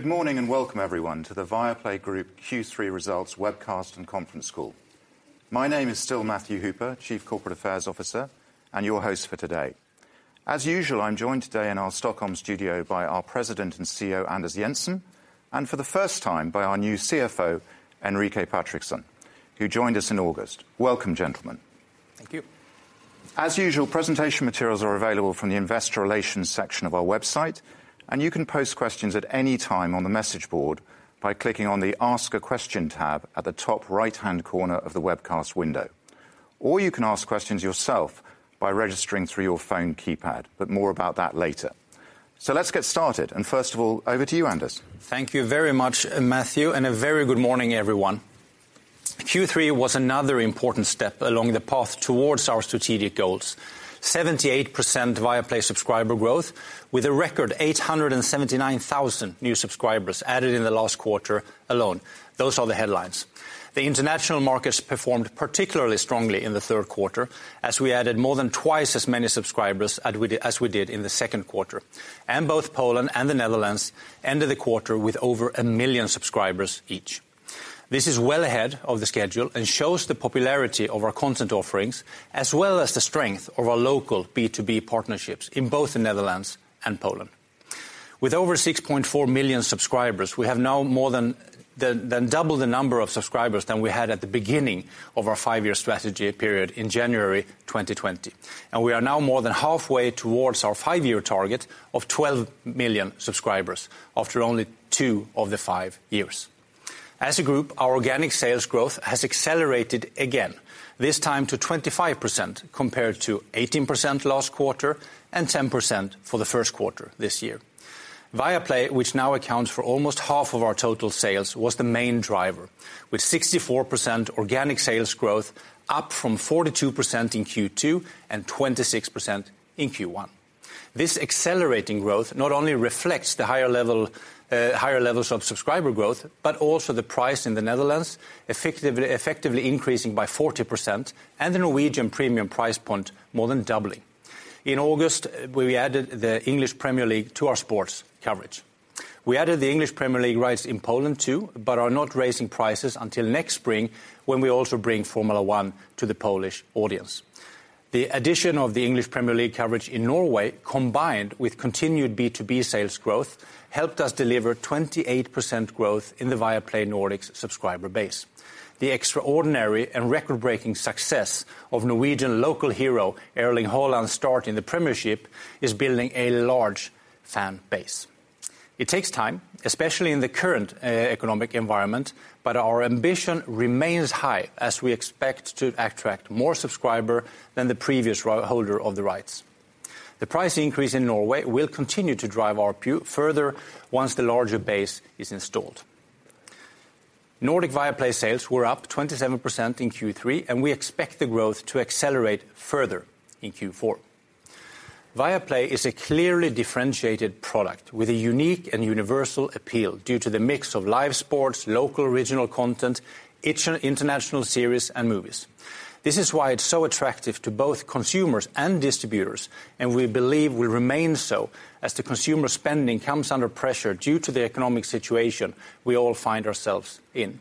Good morning, and welcome everyone to the Viaplay Group Q3 results webcast and conference call. My name is still Matthew Hooper, Chief Corporate Affairs Officer, and your host for today. As usual, I'm joined today in our Stockholm studio by our President and CEO, Anders Jensen, and for the first time, by our new CFO, Enrique Patrickson, who joined us in August. Welcome, gentlemen. Thank you. As usual, presentation materials are available from the investor relations section of our website, and you can post questions at any time on the message board by clicking on the Ask a Question tab at the top right-hand corner of the webcast window. You can ask questions yourself by registering through your phone keypad, but more about that later. Let's get started, and first of all, over to you, Anders. Thank you very much, Matthew, and a very good morning, everyone. Q3 was another important step along the path towards our strategic goals. 78% Viaplay subscriber growth with a record 879,000 new subscribers added in the last quarter alone. Those are the headlines. The international markets performed particularly strongly in the third quarter as we added more than twice as many subscribers as we did in the second quarter. Both Poland and the Netherlands ended the quarter with over a million subscribers each. This is well ahead of the schedule and shows the popularity of our content offerings, as well as the strength of our local B2B partnerships in both the Netherlands and Poland. With over 6.4 million subscribers, we have now more than double the number of subscribers than we had at the beginning of our five-year strategy period in January 2020. We are now more than halfway towards our five-year target of 12 million subscribers after only two of the five years. As a group, our organic sales growth has accelerated again, this time to 25% compared to 18% last quarter and 10% for the first quarter this year. Viaplay, which now accounts for almost half of our total sales, was the main driver, with 64% organic sales growth up from 42% in Q2 and 26% in Q1. This accelerating growth not only reflects higher levels of subscriber growth, but also the price in the Netherlands, effectively increasing by 40% and the Norwegian premium price point more than doubling. In August, we added the English Premier League to our sports coverage. We added the English Premier League rights in Poland too, but are not raising prices until next spring when we also bring Formula 1 to the Polish audience. The addition of the English Premier League coverage in Norway, combined with continued B2B sales growth, helped us deliver 28% growth in the Viaplay Nordics subscriber base. The extraordinary and record-breaking success of Norwegian local hero Erling Haaland starting the Premiership is building a large fan base. It takes time, especially in the current economic environment, but our ambition remains high as we expect to attract more subscribers than the previous right-holder of the rights. The price increase in Norway will continue to drive ARPU further once the larger base is installed. Nordic Viaplay sales were up 27% in Q3, and we expect the growth to accelerate further in Q4. Viaplay is a clearly differentiated product with a unique and universal appeal due to the mix of live sports, local original content, international series and movies. This is why it's so attractive to both consumers and distributors, and we believe will remain so as the consumer spending comes under pressure due to the economic situation we all find ourselves in.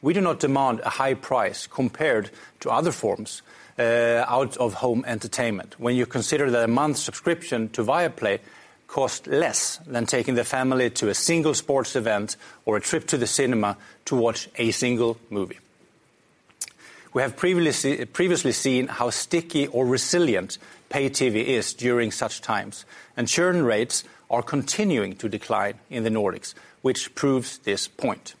We do not demand a high price compared to other forms of out-of-home entertainment when you consider that a month subscription to Viaplay costs less than taking the family to a single sports event or a trip to the cinema to watch a single movie. We have previously seen how sticky or resilient pay TV is during such times, and churn rates are continuing to decline in the Nordics, which proves this point.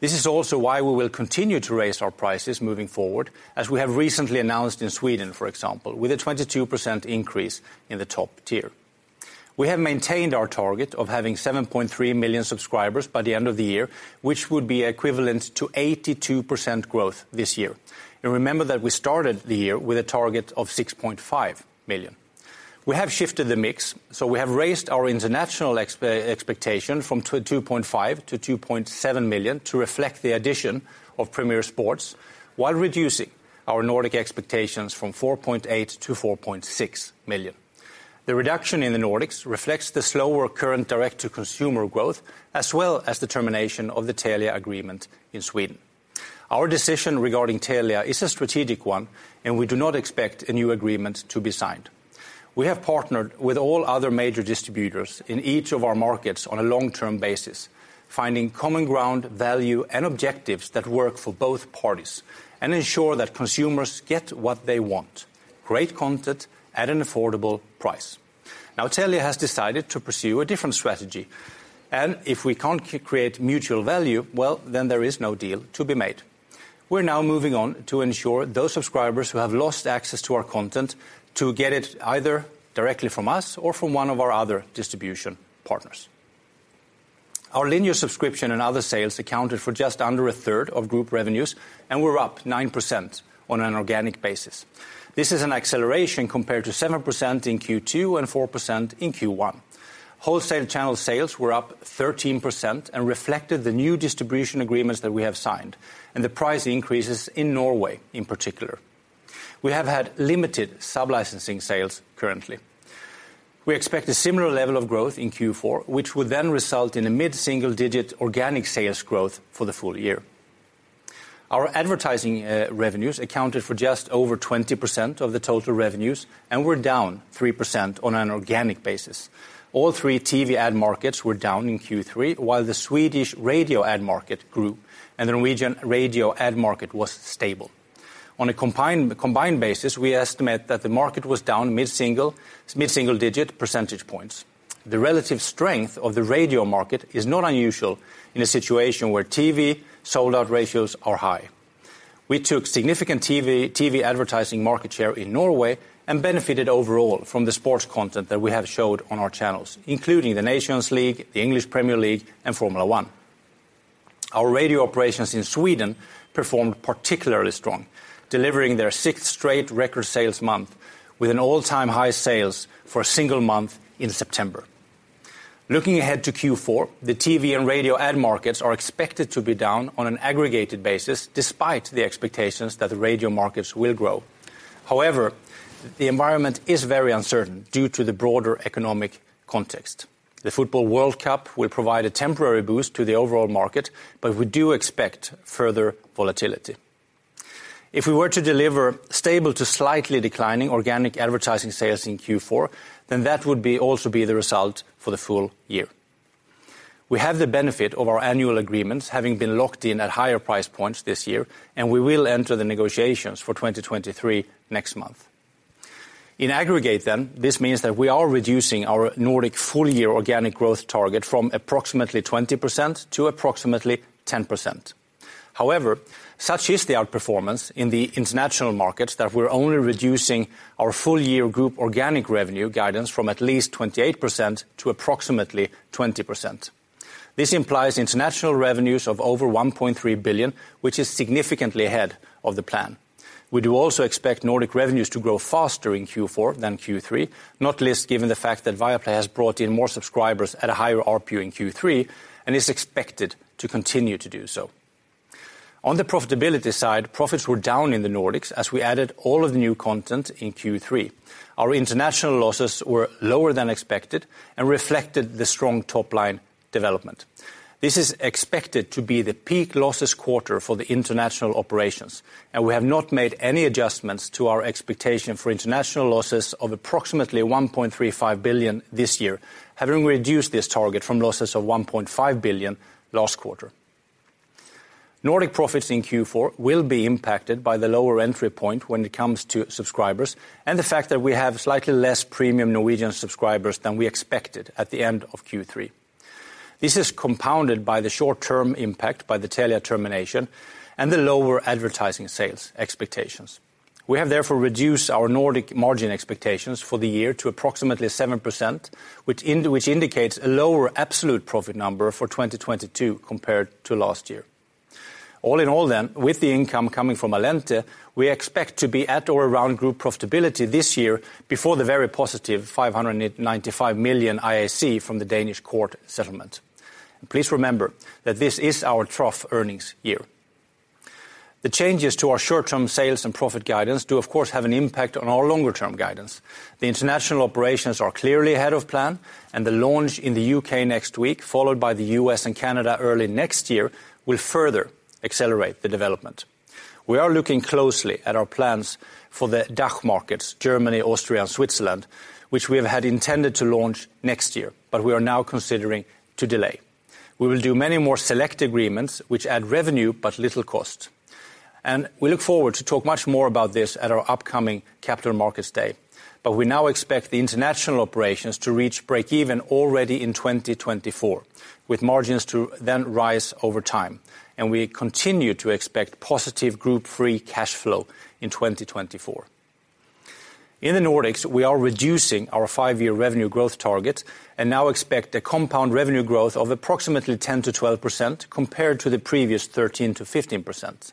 This is also why we will continue to raise our prices moving forward, as we have recently announced in Sweden, for example, with a 22% increase in the top tier. We have maintained our target of having 7.3 million subscribers by the end of the year, which would be equivalent to 82% growth this year. Remember that we started the year with a target of 6.5 million. We have shifted the mix, so we have raised our international expectation from 2.5 million to 2.7 million to reflect the addition of Premier Sports while reducing our Nordics expectations from 4.8 million to 4.6 million. The reduction in the Nordics reflects the slower current direct-to-consumer growth, as well as the termination of the Telia agreement in Sweden. Our decision regarding Telia is a strategic one, and we do not expect a new agreement to be signed. We have partnered with all other major distributors in each of our markets on a long-term basis, finding common ground, value, and objectives that work for both parties and ensure that consumers get what they want, great content at an affordable price. Now, Telia has decided to pursue a different strategy, and if we can't create mutual value, well, then there is no deal to be made. We're now moving on to ensure those subscribers who have lost access to our content to get it either directly from us or from one of our other distribution partners. Our linear subscription and other sales accounted for just under 1/3 of group revenues, and we're up 9% on an organic basis. This is an acceleration compared to 7% in Q2 and 4% in Q1. Wholesale channel sales were up 13% and reflected the new distribution agreements that we have signed and the price increases in Norway in particular. We have had limited sub-licensing sales currently. We expect a similar level of growth in Q4, which would then result in a mid-single digit organic sales growth for the full year. Our advertising revenues accounted for just over 20% of the total revenues and were down 3% on an organic basis. All three TV ad markets were down in Q3 while the Swedish radio ad market grew and the Norwegian radio ad market was stable. On a combined basis, we estimate that the market was down mid-single digit percentage points. The relative strength of the radio market is not unusual in a situation where TV sold-out ratios are high. We took significant TV advertising market share in Norway and benefited overall from the sports content that we have showed on our channels, including the Nations League, the English Premier League, and Formula One. Our radio operations in Sweden performed particularly strong, delivering their sixth straight record sales month with an all-time high sales for a single month in September. Looking ahead to Q4, the TV and radio ad markets are expected to be down on an aggregated basis despite the expectations that the radio markets will grow. However, the environment is very uncertain due to the broader economic context. The Football World Cup will provide a temporary boost to the overall market, but we do expect further volatility. If we were to deliver stable to slightly declining organic advertising sales in Q4, then that would also be the result for the full year. We have the benefit of our annual agreements having been locked in at higher price points this year, and we will enter the negotiations for 2023 next month. In aggregate then, this means that we are reducing our Nordic full-year organic growth target from approximately 20% to approximately 10%. However, such is the outperformance in the international markets that we're only reducing our full-year group organic revenue guidance from at least 28% to approximately 20%. This implies international revenues of over 1.3 billion, which is significantly ahead of the plan. We do also expect Nordic revenues to grow faster in Q4 than Q3, not least given the fact that Viaplay has brought in more subscribers at a higher ARPU in Q3 and is expected to continue to do so. On the profitability side, profits were down in the Nordics as we added all of the new content in Q3. Our international losses were lower than expected and reflected the strong top-line development. This is expected to be the peak losses quarter for the international operations, and we have not made any adjustments to our expectation for international losses of approximately 1.35 billion this year, having reduced this target from losses of 1.5 billion last quarter. Nordic profits in Q4 will be impacted by the lower entry point when it comes to subscribers and the fact that we have slightly less premium Norwegian subscribers than we expected at the end of Q3. This is compounded by the short-term impact by the Telia termination and the lower advertising sales expectations. We have therefore reduced our Nordic margin expectations for the year to approximately 7%, which indicates a lower absolute profit number for 2022 compared to last year. All in all, with the income coming from Allente, we expect to be at or around group profitability this year before the very positive 595 million IAC from the Danish court settlement. Please remember that this is our trough earnings year. The changes to our short-term sales and profit guidance do of course have an impact on our longer term guidance. The international operations are clearly ahead of plan, and the launch in the U.K. next week, followed by the U.S. and Canada early next year, will further accelerate the development. We are looking closely at our plans for the DACH markets, Germany, Austria, and Switzerland, which we have had intended to launch next year, but we are now considering to delay. We will do many more select agreements which add revenue but little cost. We look forward to talk much more about this at our upcoming Capital Markets Day. We now expect the international operations to reach break even already in 2024, with margins to then rise over time. We continue to expect positive group free cash flow in 2024. In the Nordics, we are reducing our five-year revenue growth target and now expect a compound revenue growth of approximately 10%-12% compared to the previous 13%-15%.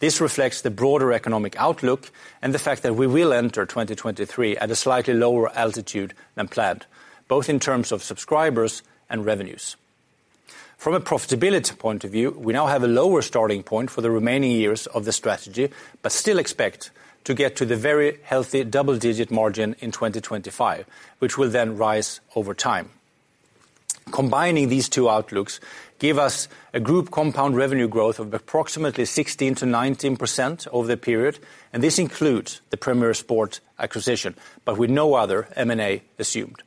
This reflects the broader economic outlook and the fact that we will enter 2023 at a slightly lower altitude than planned, both in terms of subscribers and revenues. From a profitability point of view, we now have a lower starting point for the remaining years of the strategy, but still expect to get to the very healthy double-digit margin in 2025, which will then rise over time. Combining these two outlooks give us a group compound revenue growth of approximately 16%-19% over the period, and this includes the Premier Sports acquisition, but with no other M&A assumed.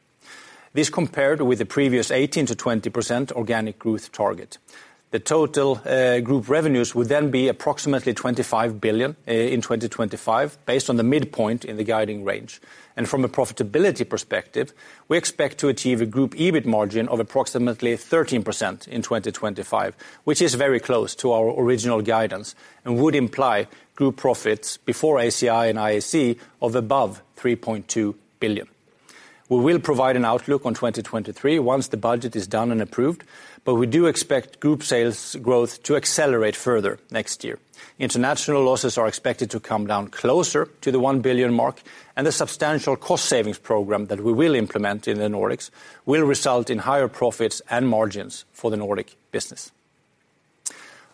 This compared with the previous 18%-20% organic growth target. The total group revenues would then be approximately 25 billion in 2025, based on the midpoint in the guiding range. From a profitability perspective, we expect to achieve a group EBIT margin of approximately 13% in 2025, which is very close to our original guidance and would imply group profits before ACI and IAC of above 3.2 billion. We will provide an outlook on 2023 once the budget is done and approved, but we do expect group sales growth to accelerate further next year. International losses are expected to come down closer to the 1 billion mark, and the substantial cost savings program that we will implement in the Nordics will result in higher profits and margins for the Nordic business.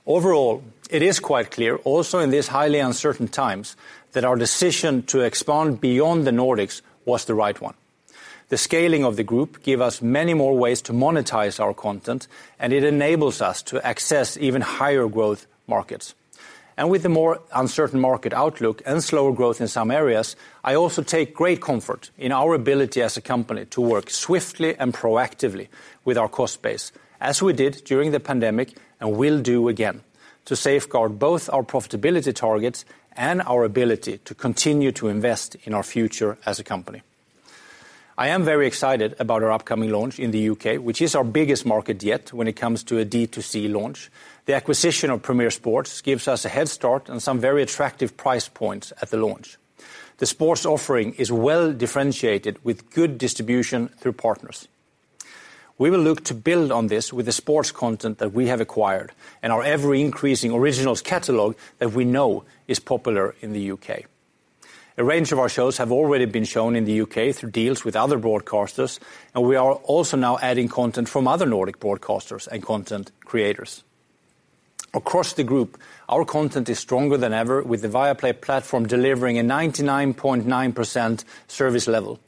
Overall, it is quite clear, also in these highly uncertain times, that our decision to expand beyond the Nordics was the right one. The scaling of the group give us many more ways to monetize our content, and it enables us to access even higher growth markets. With the more uncertain market outlook and slower growth in some areas, I also take great comfort in our ability as a company to work swiftly and proactively with our cost base, as we did during the pandemic and will do again, to safeguard both our profitability targets and our ability to continue to invest in our future as a company. I am very excited about our upcoming launch in the U.K., which is our biggest market yet when it comes to a D2C launch. The acquisition of Premier Sports gives us a head start and some very attractive price points at the launch. The sports offering is well differentiated with good distribution through partners. We will look to build on this with the sports content that we have acquired and our ever-increasing originals catalog that we know is popular in the U.K.. A range of our shows have already been shown in the U.K. through deals with other broadcasters, and we are also now adding content from other Nordic broadcasters and content creators. Across the group, our content is stronger than ever, with the Viaplay platform delivering a 99.9% service level,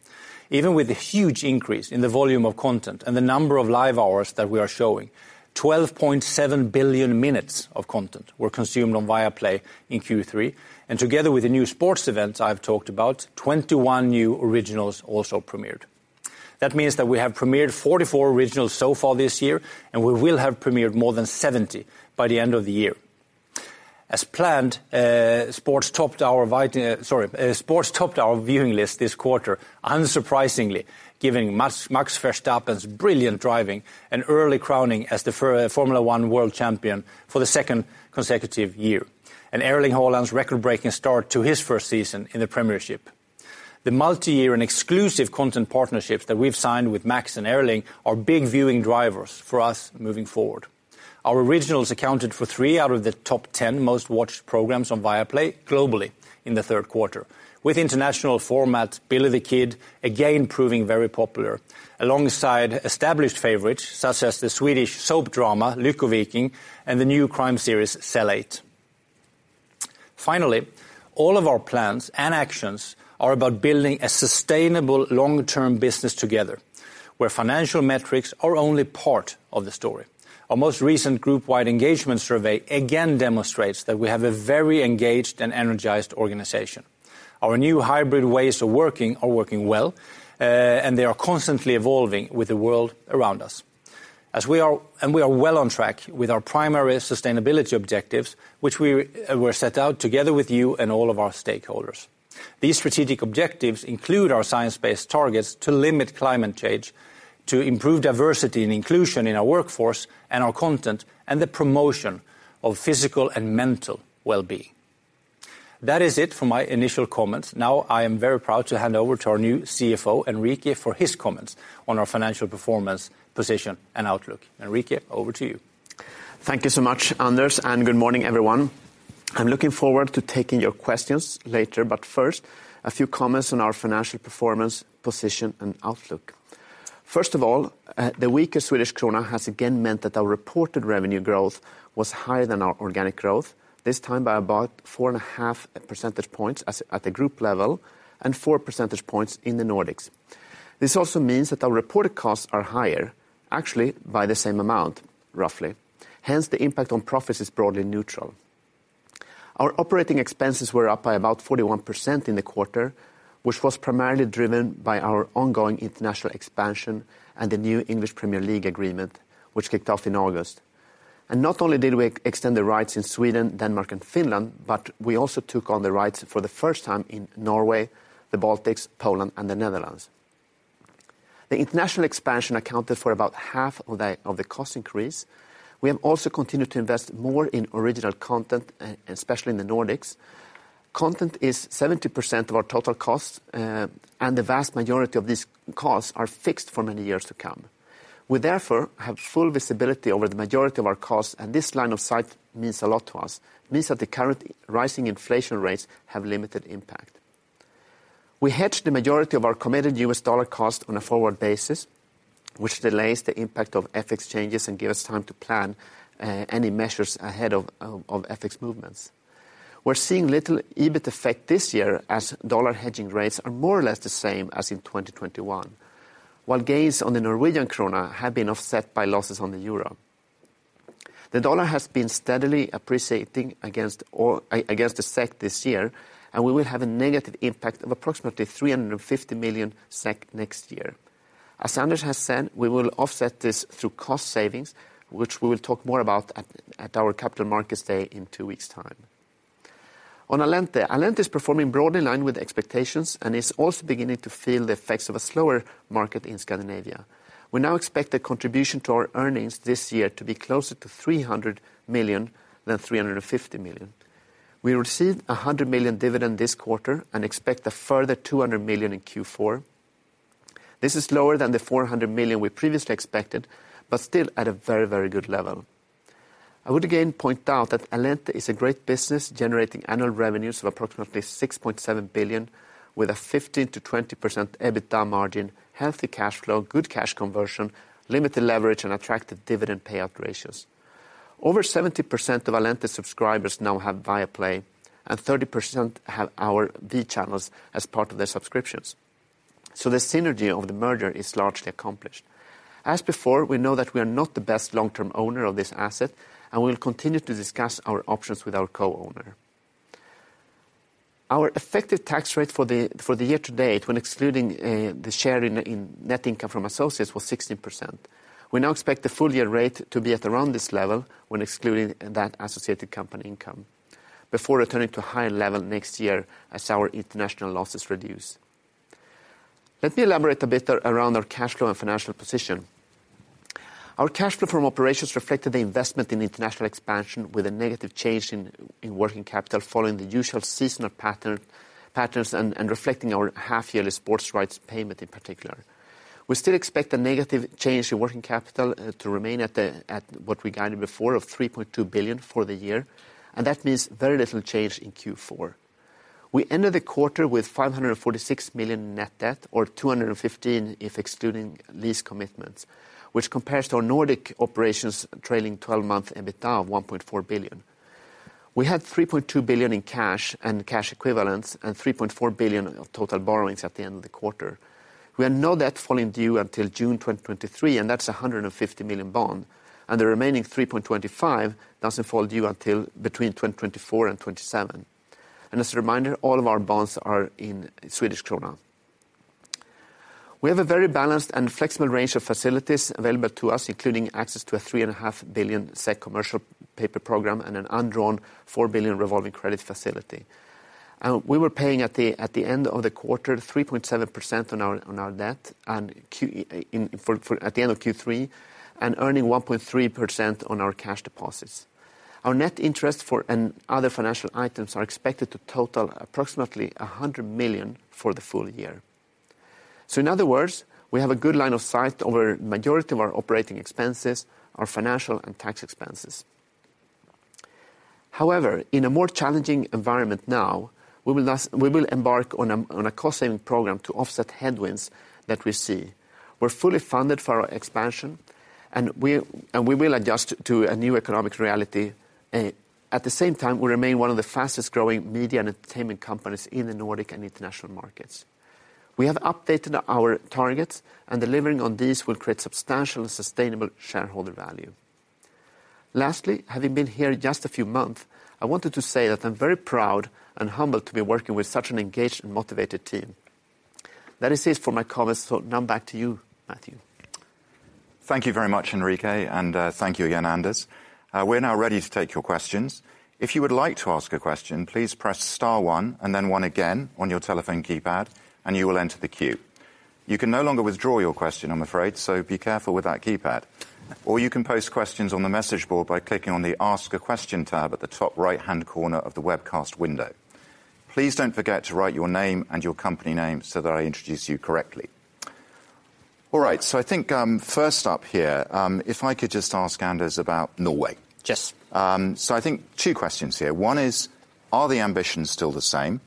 even with the huge increase in the volume of content and the number of live hours that we are showing. 12.7 billion minutes of content were consumed on Viaplay in Q3, and together with the new sports events I've talked about, 21 new originals also premiered. That means that we have premiered 44 originals so far this year, and we will have premiered more than 70 by the end of the year. As planned, sports topped our viewing list this quarter, unsurprisingly, giving Max Verstappen's brilliant driving an early crowning as the Formula One World Champion for the second consecutive year, and Erling Haaland's record-breaking start to his first season in the Premier League. The multi-year and exclusive content partnerships that we've signed with Max Verstappen and Erling Haaland are big viewing drivers for us moving forward. Our originals accounted for three out of the top ten most watched programs on Viaplay globally in the third quarter, with international format Billy the Kid again proving very popular, alongside established favorites such as the Swedish soap drama, Lyckoviken, and the new crime series, Cell 8. Finally, all of our plans and actions are about building a sustainable long-term business together, where financial metrics are only part of the story. Our most recent group-wide engagement survey again demonstrates that we have a very engaged and energized organization. Our new hybrid ways of working are working well, and they are constantly evolving with the world around us. We are well on track with our primary sustainability objectives, which we were set out together with you and all of our stakeholders. These strategic objectives include our science-based targets to limit climate change, to improve diversity and inclusion in our workforce and our content, and the promotion of physical and mental well-being. That is it for my initial comments. Now, I am very proud to hand over to our new CFO, Enrique, for his comments on our financial performance, position, and outlook. Enrique, over to you. Thank you so much, Anders, and good morning, everyone. I'm looking forward to taking your questions later, but first, a few comments on our financial performance, position, and outlook. First of all, the weaker Swedish krona has again meant that our reported revenue growth was higher than our organic growth, this time by about 4.5 percentage points at the group level, and 4 percentage points in the Nordics. This also means that our reported costs are higher, actually by the same amount, roughly. Hence, the impact on profits is broadly neutral. Our operating expenses were up by about 41% in the quarter, which was primarily driven by our ongoing international expansion and the new English Premier League agreement, which kicked off in August. Not only did we extend the rights in Sweden, Denmark, and Finland, but we also took on the rights for the first time in Norway, the Baltics, Poland, and the Netherlands. The international expansion accounted for about 1/2 of the cost increase. We have also continued to invest more in original content, especially in the Nordics. Content is 70% of our total cost, and the vast majority of these costs are fixed for many years to come. We therefore have full visibility over the majority of our costs, and this line of sight means a lot to us. It means that the current rising inflation rates have limited impact. We hedge the majority of our committed U.S. dollar cost on a forward basis, which delays the impact of FX changes and gives us time to plan any measures ahead of FX movements. We're seeing little EBIT effect this year as dollar hedging rates are more or less the same as in 2021. While gains on the Norwegian krona have been offset by losses on the euro. The dollar has been steadily appreciating against the SEK this year, and we will have a negative impact of approximately 350 million SEK next year. As Anders has said, we will offset this through cost savings, which we will talk more about at our Capital Markets Day in two weeks' time. On Allente. Allente is performing broadly in line with expectations and is also beginning to feel the effects of a slower market in Scandinavia. We now expect the contribution to our earnings this year to be closer to 300 million than 350 million. We received 100 million dividend this quarter and expect a further 200 million in Q4. This is lower than the 400 million we previously expected, but still at a very, very good level. I would again point out that Allente is a great business generating annual revenues of approximately 6.7 billion with a 15%-20% EBITDA margin, healthy cash flow, good cash conversion, limited leverage, and attractive dividend payout ratios. Over 70% of Viasat subscribers now have Viaplay, and 30% have our V channels as part of their subscriptions. The synergy of the merger is largely accomplished. As before, we know that we are not the best long-term owner of this asset, and we will continue to discuss our options with our co-owner. Our effective tax rate for the year-to-date when excluding the share in net income from associates was 16%. We now expect the full year rate to be at around this level when excluding that associated company income before returning to a higher level next year as our international losses reduce. Let me elaborate a bit around our cash flow and financial position. Our cash flow from operations reflected the investment in international expansion with a negative change in working capital following the usual seasonal pattern and reflecting our half-yearly sports rights payment in particular. We still expect a negative change in working capital to remain at what we guided before of 3.2 billion for the year, and that means very little change in Q4. We ended the quarter with 546 million net debt or 215 million if excluding lease commitments, which compares to our Nordic operations trailing t12-month EBITA of 1.4 billion. We had 3.2 billion in cash and cash equivalents and 3.4 billion of total borrowings at the end of the quarter. We have no debt falling due until June 2023, and that's a 150 million bond, and the remaining 3.25 billion doesn't fall due until between 2024 and 2027. As a reminder, all of our bonds are in Swedish krona. We have a very balanced and flexible range of facilities available to us, including access to a 3.5 billion SEK commercial paper program and an undrawn 4 billion revolving credit facility. We were paying 3.7% on our debt at the end of Q3 and earning 1.3% on our cash deposits. Our net interest and other financial items are expected to total approximately 100 million for the full year. In other words, we have a good line of sight over majority of our operating expenses, our financial and tax expenses. However, in a more challenging environment now, we will embark on a cost-saving program to offset headwinds that we see. We're fully funded for our expansion, and we will adjust to a new economic reality. At the same time, we remain one of the fastest-growing media and entertainment companies in the Nordic and international markets. We have updated our targets, and delivering on these will create substantial and sustainable shareholder value. Lastly, having been here just a few months, I wanted to say that I'm very proud and humbled to be working with such an engaged and motivated team. That is it for my comments, so now back to you, Matthew. Thank you very much, Enrique, and thank you again, Anders. We're now ready to take your questions. If you would like to ask a question, please press star one and then one again on your telephone keypad, and you will enter the queue. You can no longer withdraw your question, I'm afraid, so be careful with that keypad. Or you can post questions on the message board by clicking on the Ask a Question tab at the top right-hand corner of the webcast window. Please don't forget to write your name and your company name so that I introduce you correctly. All right, I think first up here, if I could just ask Anders about Norway. Yes. I think two questions here. One is, are the ambitions still the same?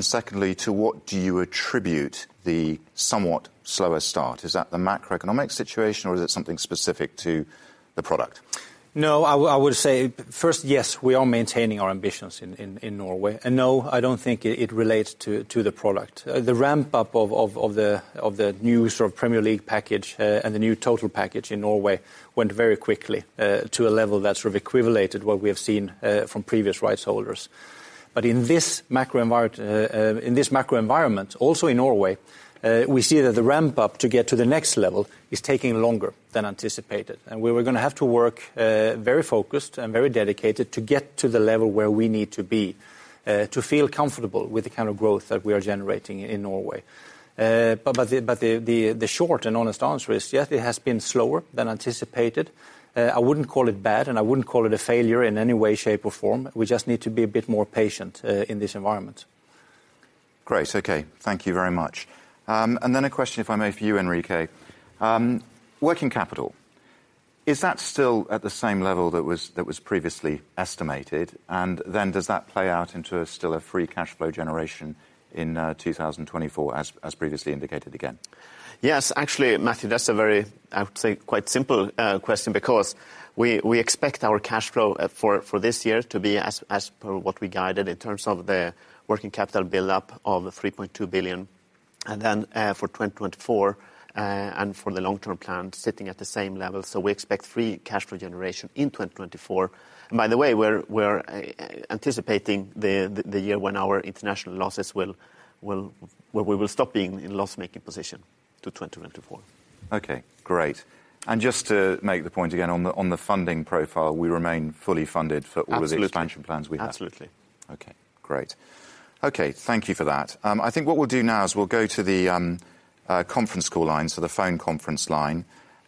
Secondly, to what do you attribute the somewhat slower start? Is that the macroeconomic situation or is it something specific to the product? No, I would say first, yes, we are maintaining our ambitions in Norway. No, I don't think it relates to the product. The ramp-up of the new sort of Premier League package and the new total package in Norway went very quickly to a level that sort of equated what we have seen from previous rights holders. In this macro environment, also in Norway, we see that the ramp-up to get to the next level is taking longer than anticipated. We were gonna have to work very focused and very dedicated to get to the level where we need to be to feel comfortable with the kind of growth that we are generating in Norway. The short and honest answer is, yes, it has been slower than anticipated. I wouldn't call it bad, and I wouldn't call it a failure in any way, shape, or form. We just need to be a bit more patient in this environment. Great. Okay. Thank you very much. A question, if I may, for you, Enrique. Working capital, is that still at the same level that was previously estimated? Does that play out into still a free cash flow generation in 2024 as previously indicated again? Yes, actually, Matthew, that's a very, I would say, quite simple question because we expect our cash flow for this year to be as per what we guided in terms of the working capital build-up of 3.2 billion. For 2024 and for the long-term plan sitting at the same level. We expect free cash flow generation in 2024. By the way, we're anticipating the year where we will stop being in loss-making position to 2024. Okay, great. Just to make the point again on the funding profile, we remain fully funded for all- Absolutely. the expansion plans we have. Absolutely. Okay, great. Okay, thank you for that. I think what we'll do now is we'll go to the conference call line, so the phone conference line.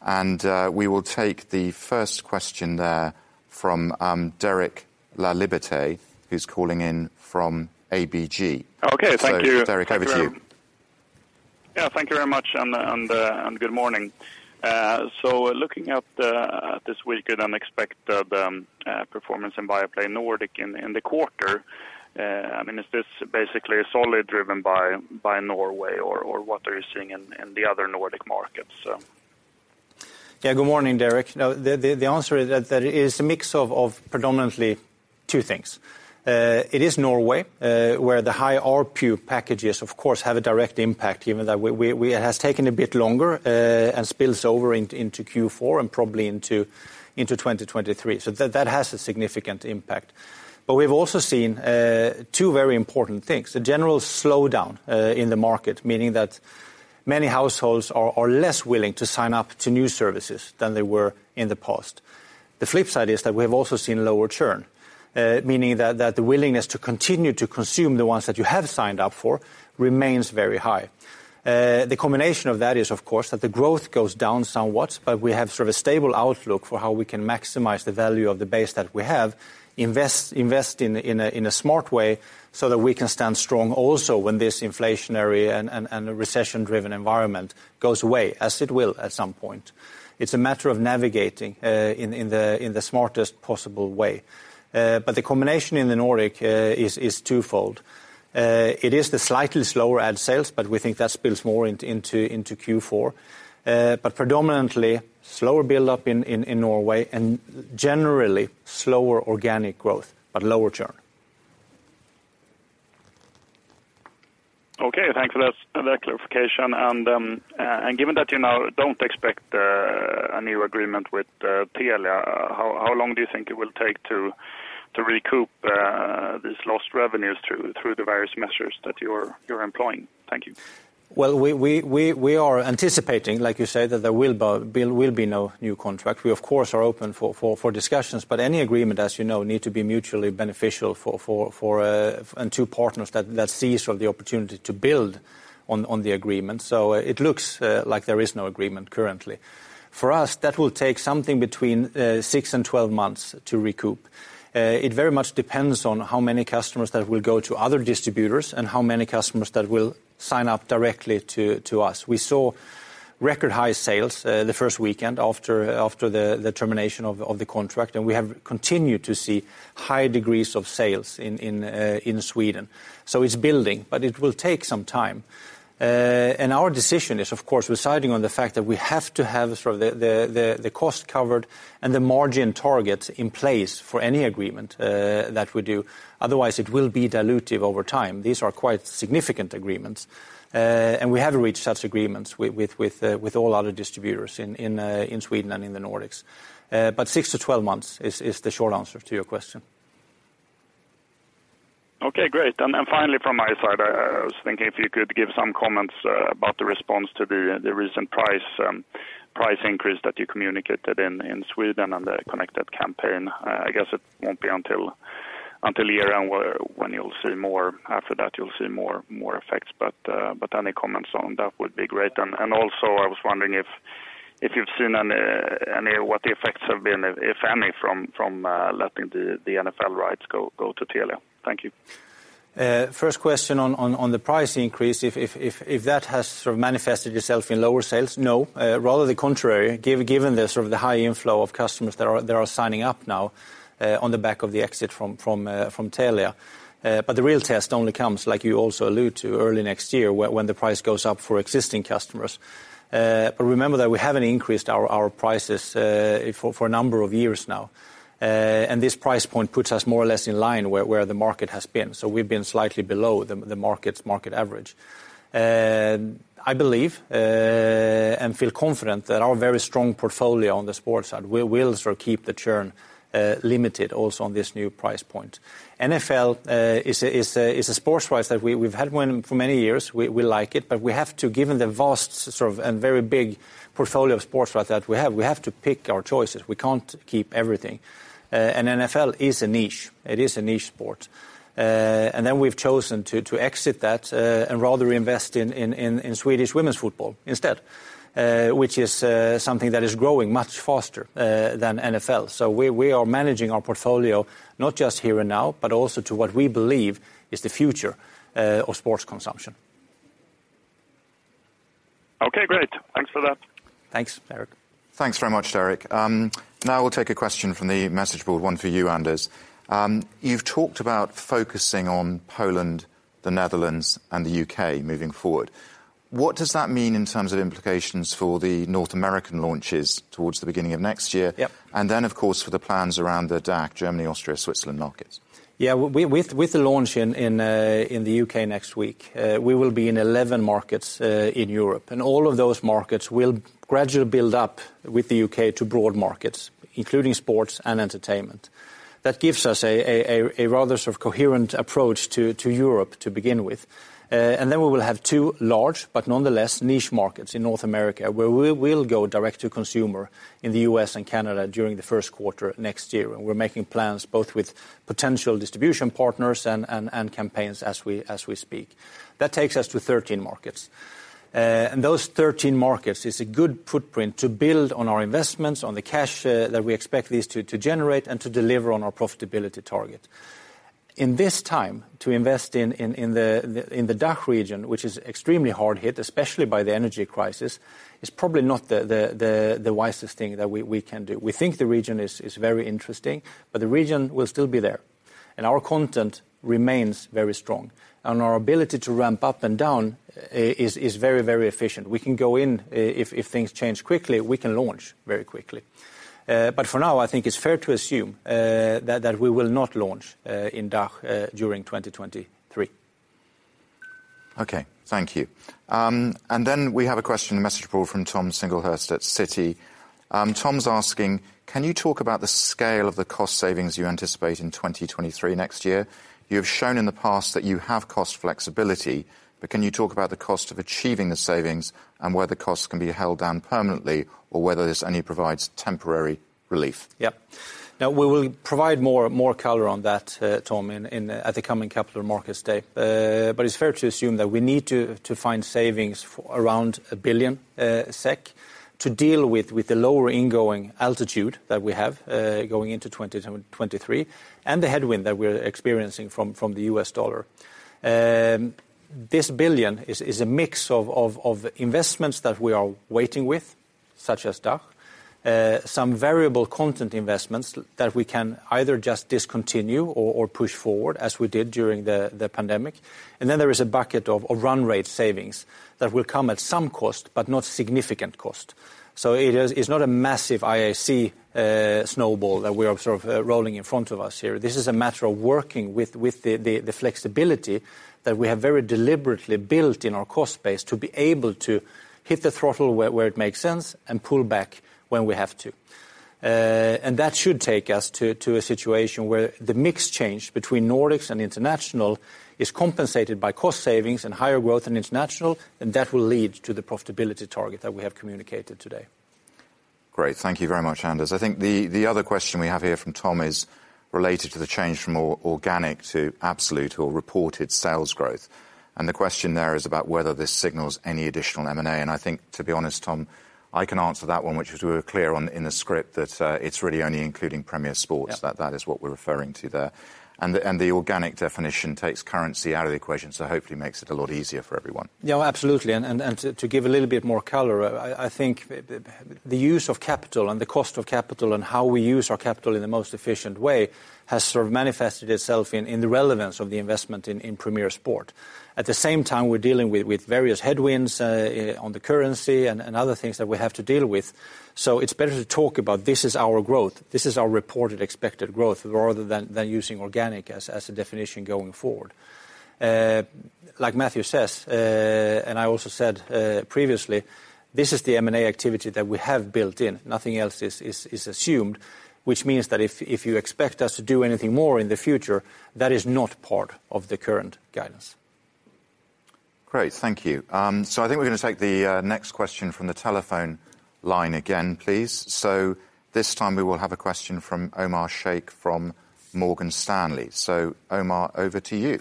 We will take the first question there from Derek Laliberte, who's calling in from ABG. Okay. Thank you. Derek, over to you. Yeah, thank you very much and good morning. Looking at this week's unexpected performance in Viaplay Nordics in the quarter, I mean, is this basically solely driven by Norway or what are you seeing in the other Nordic markets? Yeah. Good morning, Derek. No, the answer is that there is a mix of predominantly two things. It is Norway, where the high ARPU packages of course have a direct impact given that it has taken a bit longer, and spills over into Q4 and probably into 2023. That has a significant impact. We've also seen two very important things, a general slowdown in the market, meaning that many households are less willing to sign up to new services than they were in the past. The flip side is that we have also seen lower churn, meaning that the willingness to continue to consume the ones that you have signed up for remains very high. The combination of that is of course that the growth goes down somewhat, but we have sort of a stable outlook for how we can maximize the value of the base that we have, invest in a smart way so that we can stand strong also when this inflationary and recession-driven environment goes away, as it will at some point. It's a matter of navigating in the smartest possible way. The combination in the Nordic is twofold. It is the slightly slower ad sales, but we think that spills more into Q4. Predominantly slower buildup in Norway and generally slower organic growth, but lower churn. Okay. Thanks for that clarification. Given that you now don't expect a new agreement with Telia, how long do you think it will take to recoup these lost revenues through the various measures that you're employing? Thank you. Well, we are anticipating, like you say, that there will be no new contract. We of course are open for discussions, but any agreement, as you know, need to be mutually beneficial for both partners that sees sort of the opportunity to build on the agreement. It looks like there is no agreement currently. For us, that will take something between six months and 12 months to recoup. It very much depends on how many customers that will go to other distributors and how many customers that will sign up directly to us. We saw record high sales the first weekend after the termination of the contract, and we have continued to see high degrees of sales in Sweden. It's building, but it will take some time. Our decision is of course relying on the fact that we have to have sort of the cost covered and the margin targets in place for any agreement that we do, otherwise it will be dilutive over time. These are quite significant agreements. We haven't reached such agreements with all other distributors in Sweden and in the Nordics. Six months to 12 months is the short answer to your question. Okay, great. Finally from my side, I was thinking if you could give some comments about the response to the recent price increase that you communicated in Sweden and the connected campaign. I guess it won't be until year-end when you'll see more. After that, you'll see more effects. Any comments on that would be great. Also, I was wondering if you've seen any. What the effects have been, if any, from letting the NFL rights go to Telia. Thank you. First question on the price increase, if that has sort of manifested itself in lower sales, no, rather the contrary given the sort of the high inflow of customers that are signing up now, on the back of the exit from Telia. The real test only comes, like you also allude to, early next year when the price goes up for existing customers. Remember that we haven't increased our prices for a number of years now. This price point puts us more or less in line where the market has been. We've been slightly below the market average. I believe and feel confident that our very strong portfolio on the sports side will sort of keep the churn limited also on this new price point. NFL is a sports rights that we've had for many years. We like it, but we have to, given the vast sort of and very big portfolio of sports rights that we have, pick our choices. We can't keep everything. NFL is a niche. It is a niche sport. We've chosen to exit that and rather invest in Swedish women's football instead, which is something that is growing much faster than NFL. We are managing our portfolio not just here and now, but also to what we believe is the future of sports consumption. Okay, great. Thanks for that. Thanks, Derek. Thanks very much, Derek. Now we'll take a question from the message board, one for you, Anders. You've talked about focusing on Poland, the Netherlands, and the U.K. moving forward. What does that mean in terms of implications for the North American launches towards the beginning of next year? Yep. Of course, for the plans around the DACH, Germany, Austria, Switzerland markets. Yeah. With the launch in the U.K. next week, we will be in 11 markets in Europe, and all of those markets will gradually build up with the U.K. to broad markets, including sports and entertainment. That gives us a rather sort of coherent approach to Europe to begin with. Then we will have two large but nonetheless niche markets in North America, where we will go direct to consumer in the U.S. and Canada during the first quarter next year. We're making plans both with potential distribution partners and campaigns as we speak. That takes us to 13 markets. Those 13 markets is a good footprint to build on our investments, on the cash, that we expect these to generate and to deliver on our profitability target. In this time to invest in the DACH region, which is extremely hard hit, especially by the energy crisis, is probably not the wisest thing that we can do. We think the region is very interesting, but the region will still be there, and our content remains very strong, and our ability to ramp up and down is very efficient. We can go in, if things change quickly, we can launch very quickly. For now, I think it's fair to assume that we will not launch in DACH during 2023. Okay, thank you. Then we have a question, a message report from Thomas Singlehurst at Citi. Tom's asking: Can you talk about the scale of the cost savings you anticipate in 2023 next year? You have shown in the past that you have cost flexibility, but can you talk about the cost of achieving the savings and whether costs can be held down permanently or whether this only provides temporary relief? Now, we will provide more color on that, Tom, in at the coming Capital Markets Day. It is fair to assume that we need to find savings for around 1 billion SEK to deal with the lower in-going EBITA that we have going into 2023 and the headwind that we are experiencing from the U.S. dollar. This billion is a mix of investments that we are delaying with, such as DACH, some variable content investments that we can either just discontinue or push forward as we did during the pandemic. Then there is a bucket of run rate savings that will come at some cost, but not significant cost. It is not a massive IAC snowball that we are sort of rolling in front of us here. This is a matter of working with the flexibility that we have very deliberately built in our cost base to be able to hit the throttle where it makes sense and pull back when we have to. That should take us to a situation where the mix change between Nordics and international is compensated by cost savings and higher growth in international, and that will lead to the profitability target that we have communicated today. Great. Thank you very much, Anders. I think the other question we have here from Tom is related to the change from organic to absolute or reported sales growth. The question there is about whether this signals any additional M&A. I think, to be honest, Tom, I can answer that one, which is we were clear on in the script that it's really only including Premier Sports. Yeah. That is what we're referring to there. The organic definition takes currency out of the equation, so hopefully makes it a lot easier for everyone. Yeah, absolutely. To give a little bit more color, I think the use of capital and the cost of capital and how we use our capital in the most efficient way has sort of manifested itself in the relevance of the investment in Premier Sports. At the same time, we're dealing with various headwinds on the currency and other things that we have to deal with. It's better to talk about this is our growth, this is our reported expected growth rather than using organic as a definition going forward. Like Matthew says, I also said previously, this is the M&A activity that we have built in. Nothing else is assumed, which means that if you expect us to do anything more in the future, that is not part of the current guidance. Great. Thank you. I think we're gonna take the next question from the telephone line again, please. This time we will have a question from Omar Shaikh from Morgan Stanley. Omar, over to you.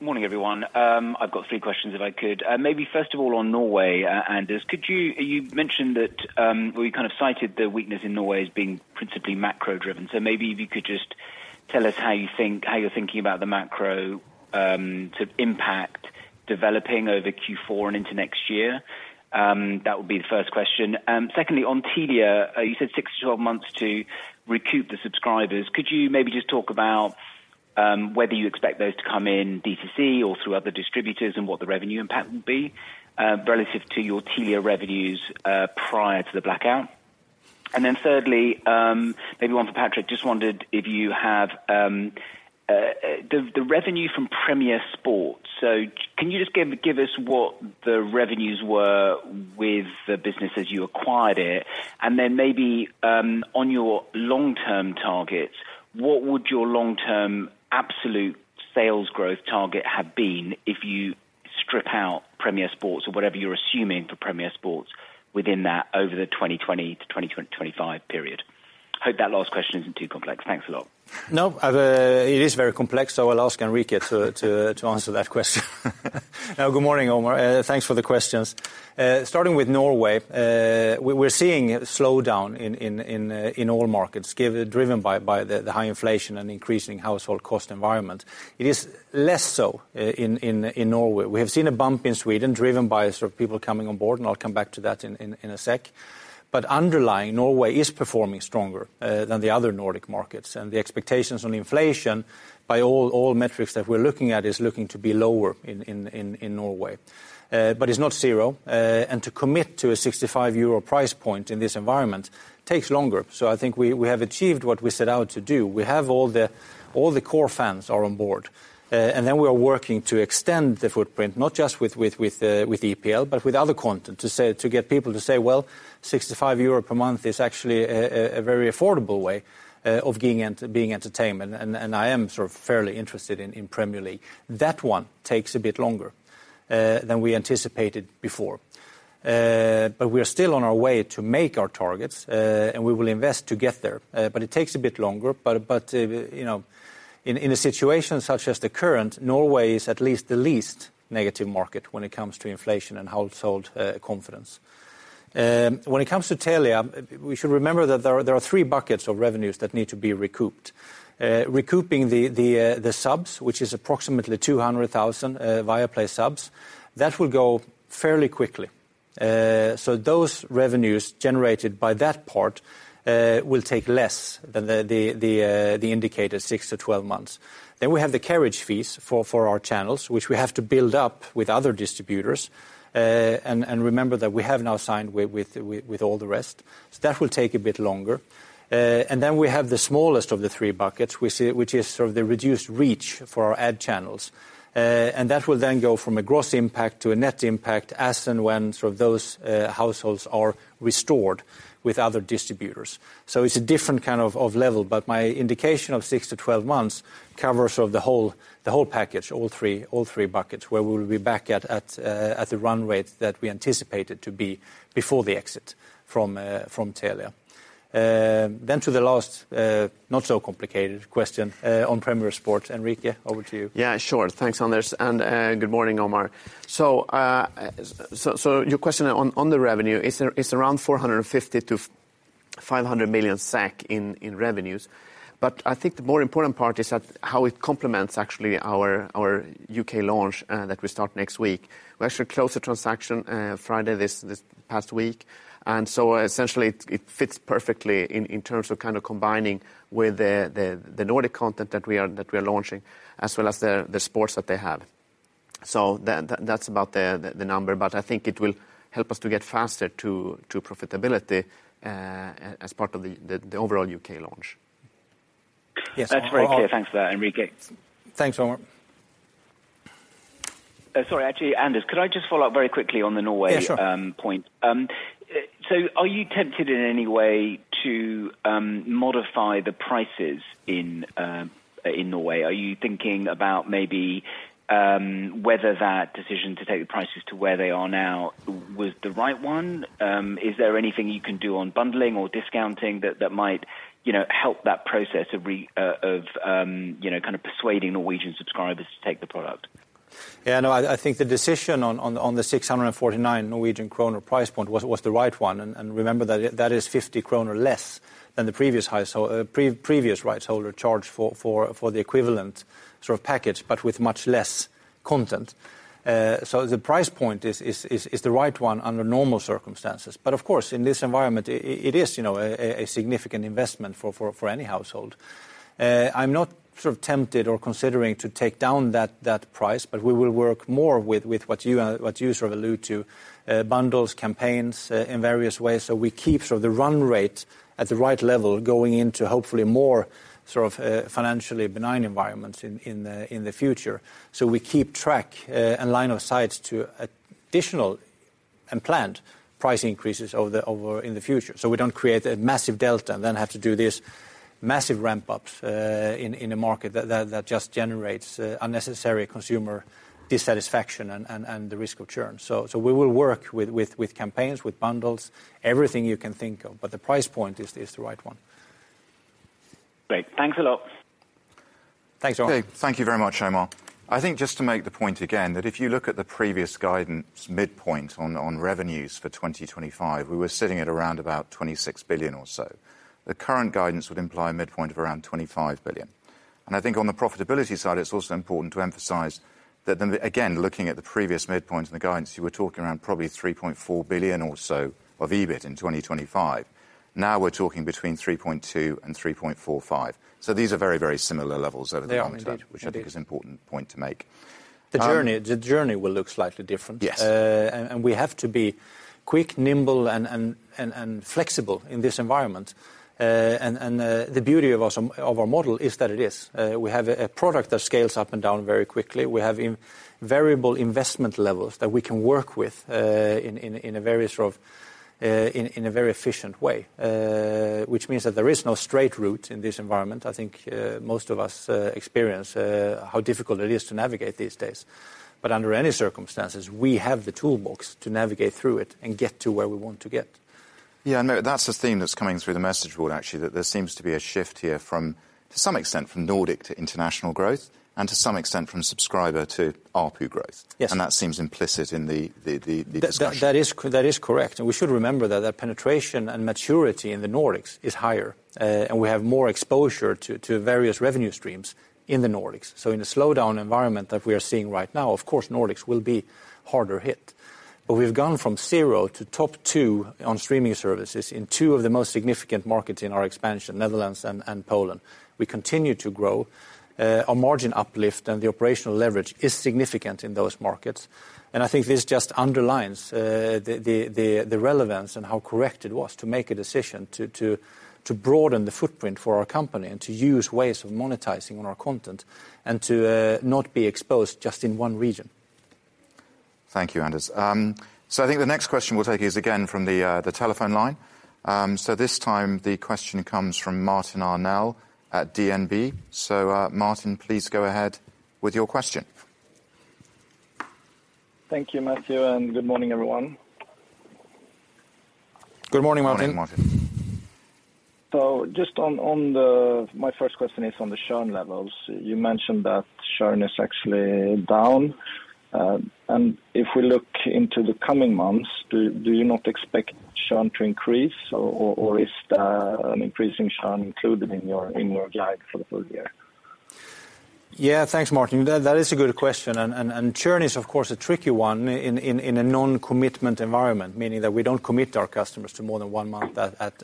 Morning, everyone. I've got three questions, if I could. Maybe first of all on Norway, Anders. You mentioned that, well, you kind of cited the weakness in Norway as being principally macro-driven. Maybe if you could just tell us how you're thinking about the macro to impact developing over Q4 and into next year. That would be the first question. Secondly, on Telia, you said six months-12 months to recoup the subscribers. Could you maybe just talk about whether you expect those to come in D2C or through other distributors and what the revenue impact would be, relative to your Telia revenues, prior to the blackout? Thirdly, maybe one for Patrick. Just wondered if you have the revenue from Premier Sports. Can you just give us what the revenues were with the business as you acquired it? Then maybe, on your long-term targets, what would your long-term absolute sales growth target have been if you strip out Premier Sports or whatever you're assuming for Premier Sports within that over the 2020 to 2025 period? Hope that last question isn't too complex. Thanks a lot. No. It is very complex, so I'll ask Enrique to answer that question. No, good morning, Omar. Thanks for the questions. Starting with Norway, we're seeing a slowdown in all markets driven by the high inflation and increasing household cost environment. It is less so in Norway. We have seen a bump in Sweden driven by sort of people coming on board, and I'll come back to that in a sec. Underlying, Norway is performing stronger than the other Nordic markets. The expectations on inflation by all metrics that we're looking at is looking to be lower in Norway. It's not zero. To commit to a 65 euro price point in this environment takes longer. I think we have achieved what we set out to do. We have all the core fans on board. We are working to extend the footprint, not just with EPL, but with other content to get people to say, "Well, 65 euro per month is actually a very affordable way of getting entertainment, and I am sort of fairly interested in Premier League." That one takes a bit longer than we anticipated. We are still on our way to make our targets. We will invest to get there. It takes a bit longer. You know, in a situation such as the current, Norway is at least the least negative market when it comes to inflation and household confidence. When it comes to Telia, we should remember that there are three buckets of revenues that need to be recouped. Recouping the subs, which is approximately 200,000 Viaplay subs, that will go fairly quickly. Those revenues generated by that part will take less than the indicated six months-12 months. We have the carriage fees for our channels, which we have to build up with other distributors. Remember that we have now signed with all the rest. That will take a bit longer. We have the smallest of the three buckets, we see, which is sort of the reduced reach for our ad channels. That will then go from a gross impact to a net impact as and when sort of those households are restored with other distributors. It's a different kind of level, but my indication of six months-12 months covers sort of the whole package, all three buckets, where we will be back at the run rate that we anticipated to be before the exit from Telia. To the last not so complicated question on Premier Sports. Enrique, over to you. Yeah, sure. Thanks, Anders. Good morning, Omar. Your question on the revenue, it's around 450 million-500 million in revenues. I think the more important part is that how it complements actually our U.K. launch that we start next week. We actually closed the transaction Friday this past week. Essentially it fits perfectly in terms of kind of combining with the Nordic content that we are launching, as well as the sports that they have. That's about the number, but I think it will help us to get faster to profitability as part of the overall U.K. launch. Yes. That's very clear. Thanks for that, Enrique. Thanks, Omar. Sorry, actually, Anders, could I just follow up very quickly on the Norway- Yeah, sure. Are you tempted in any way to modify the prices in Norway? Are you thinking about maybe whether that decision to take the prices to where they are now was the right one? Is there anything you can do on bundling or discounting that might, you know, help that process of you know kind of persuading Norwegian subscribers to take the product? Yeah, no, I think the decision on the 649 Norwegian kroner price point was the right one, and remember that is 50 kroner less than the previous rights holder charged for the equivalent sort of package, but with much less content. So the price point is the right one under normal circumstances. Of course, in this environment, it is, you know, a significant investment for any household. I'm not sort of tempted or considering to take down that price, but we will work more with what you sort of allude to, bundles, campaigns, in various ways, so we keep sort of the run rate at the right level going into hopefully more sort of financially benign environments in the future. We keep track and line of sight to additional and planned price increases over in the future. We don't create a massive delta, then have to do this massive ramp ups in the market that just generates unnecessary consumer dissatisfaction and the risk of churn. We will work with campaigns, with bundles, everything you can think of, but the price point is the right one. Great. Thanks a lot. Thanks, Omar. Thank you very much, Omar. I think just to make the point again, that if you look at the previous guidance midpoint on revenues for 2025, we were sitting at around about 26 billion or so. The current guidance would imply a midpoint of around 25 billion. I think on the profitability side, it's also important to emphasize that then again, looking at the previous midpoints in the guidance, you were talking around probably 3.4 billion or so of EBIT in 2025. Now we're talking between 3.2 billion and 3.45 billion. These are very, very similar levels over the They are indeed. which I think is important point to make. The journey will look slightly different. Yes. We have to be quick, nimble, and flexible in this environment. The beauty of our model is that it is. We have a product that scales up and down very quickly. We have variable investment levels that we can work with in a very efficient way. Which means that there is no straight route in this environment. I think most of us experience how difficult it is to navigate these days. Under any circumstances, we have the toolbox to navigate through it and get to where we want to get. Yeah, no, that's the theme that's coming through the message board, actually, that there seems to be a shift here from, to some extent, from Nordic to international growth, and to some extent from subscriber to ARPU growth. Yes. That seems implicit in the discussion. That is correct. We should remember that the penetration and maturity in the Nordics is higher, and we have more exposure to various revenue streams in the Nordics. In a slowdown environment that we are seeing right now, of course, Nordics will be harder hit. We've gone from zero to top two on streaming services in two of the most significant markets in our expansion, Netherlands and Poland. We continue to grow. Our margin uplift and the operational leverage is significant in those markets. I think this just underlines the relevance and how correct it was to make a decision to broaden the footprint for our company and to use ways of monetizing on our content and to not be exposed just in one region. Thank you, Anders. I think the next question we'll take is again from the telephone line. This time the question comes from Martin Arnell at DNB. Martin, please go ahead with your question. Thank you, Matthew, and good morning, everyone. Good morning, Martin. My first question is on the churn levels. You mentioned that churn is actually down. If we look into the coming months, do you not expect churn to increase or is an increasing churn included in your guide for the full year? Yeah. Thanks, Martin. That is a good question and churn is of course a tricky one in a non-commitment environment, meaning that we don't commit our customers to more than one month at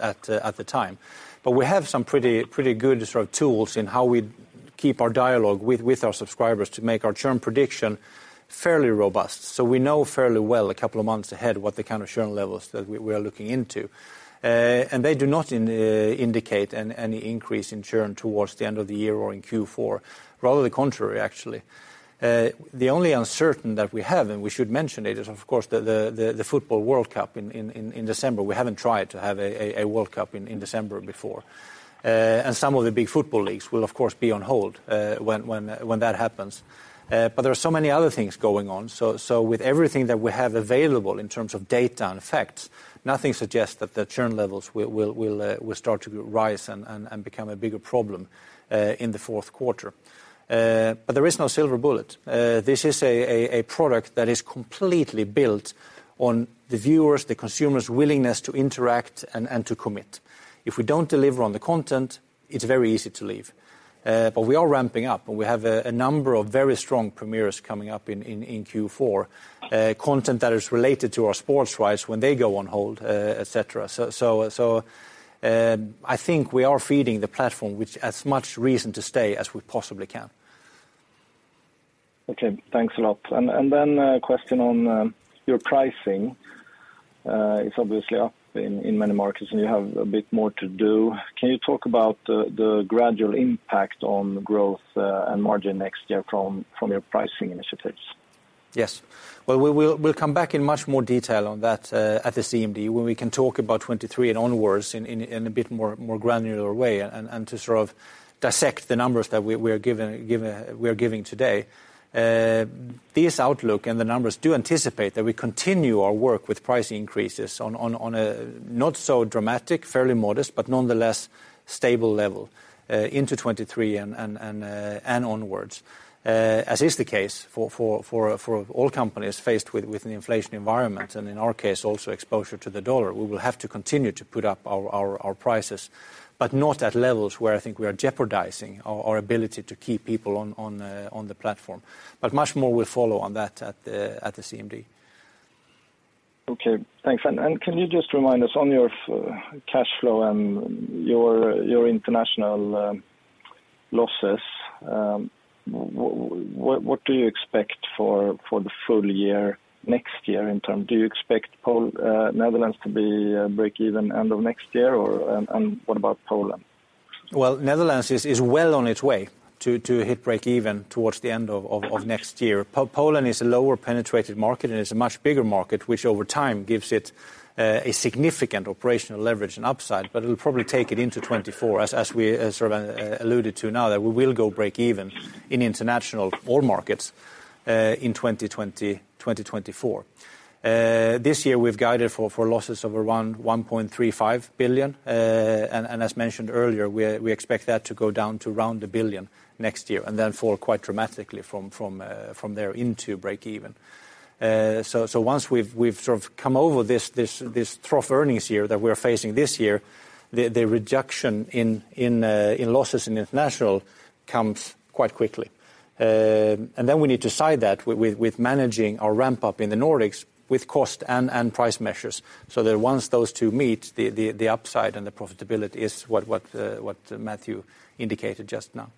a time. But we have some pretty good sort of tools in how we keep our dialogue with our subscribers to make our churn prediction fairly robust. So we know fairly well a couple of months ahead what the kind of churn levels that we are looking into. And they do not indicate any increase in churn towards the end of the year or in Q4. Rather the contrary actually. The only uncertainty that we have, and we should mention it, is of course the Football World Cup in December. We haven't tried to have a World Cup in December before. Some of the big football leagues will of course be on hold when that happens. There are so many other things going on. With everything that we have available in terms of data and affects, nothing suggests that the churn levels will start to rise and become a bigger problem in the fourth quarter. There is no silver bullet. This is a product that is completely built on the viewers, the consumer's willingness to interact and to commit. If we don't deliver on the content, it's very easy to leave. We are ramping up and we have a number of very strong premieres coming up in Q4. Content that is related to our sports rights when they go on hold, et cetera. I think we are feeding the platform with as much reason to stay as we possibly can. Okay. Thanks a lot. A question on your pricing. It's obviously up in many markets, and you have a bit more to do. Can you talk about the gradual impact on growth and margin next year from your pricing initiatives? Yes. Well, we'll come back in much more detail on that at the CMD when we can talk about 2023 and onwards in a bit more granular way and to sort of dissect the numbers that we're giving today. This outlook and the numbers do anticipate that we continue our work with price increases on a not so dramatic, fairly modest, but nonetheless stable level into 2023 and onwards. As is the case for all companies faced with an inflation environment, and in our case also exposure to the U.S. dollar, we will have to continue to put up our prices, but not at levels where I think we are jeopardizing our ability to keep people on the platform. Much more will follow on that at the CMD. Okay. Thanks. Can you just remind us on your free cash flow and your international losses, what do you expect for the full year next year in terms? Do you expect Netherlands to be breakeven end of next year or what about Poland? Well, Netherlands is well on its way to hit breakeven towards the end of next year. Poland is a lower penetrated market, and it's a much bigger market, which over time gives it a significant operational leverage and upside, but it'll probably take it into 2024 as we sort of alluded to now, that we will go breakeven in international all markets in 2024. This year we've guided for losses of around 1.35 billion. And as mentioned earlier, we expect that to go down to around 1 billion next year and then fall quite dramatically from there into breakeven. Once we've sort of come over this trough earnings year that we're facing this year, the reduction in losses in international comes quite quickly. We need to align that with managing our ramp up in the Nordics with cost and price measures, so that once those two meet, the upside and the profitability is what Matthew indicated just now.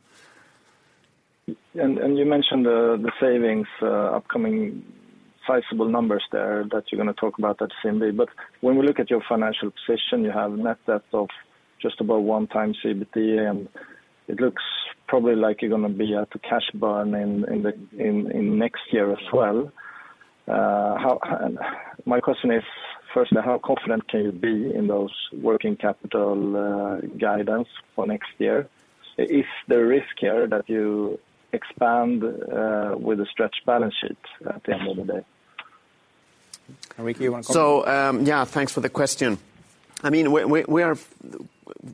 You mentioned the savings upcoming sizable numbers there that you're gonna talk about at CMD. When we look at your financial position, you have net debt of just about 1x EBITDA, and it looks probably like you're gonna be at a cash burn in next year as well. My question is, firstly, how confident can you be in those working capital guidance for next year? Is there risk here that you expand with a stretched balance sheet at the end of the day? Enrique, you wanna comment? Yeah, thanks for the question. I mean, we are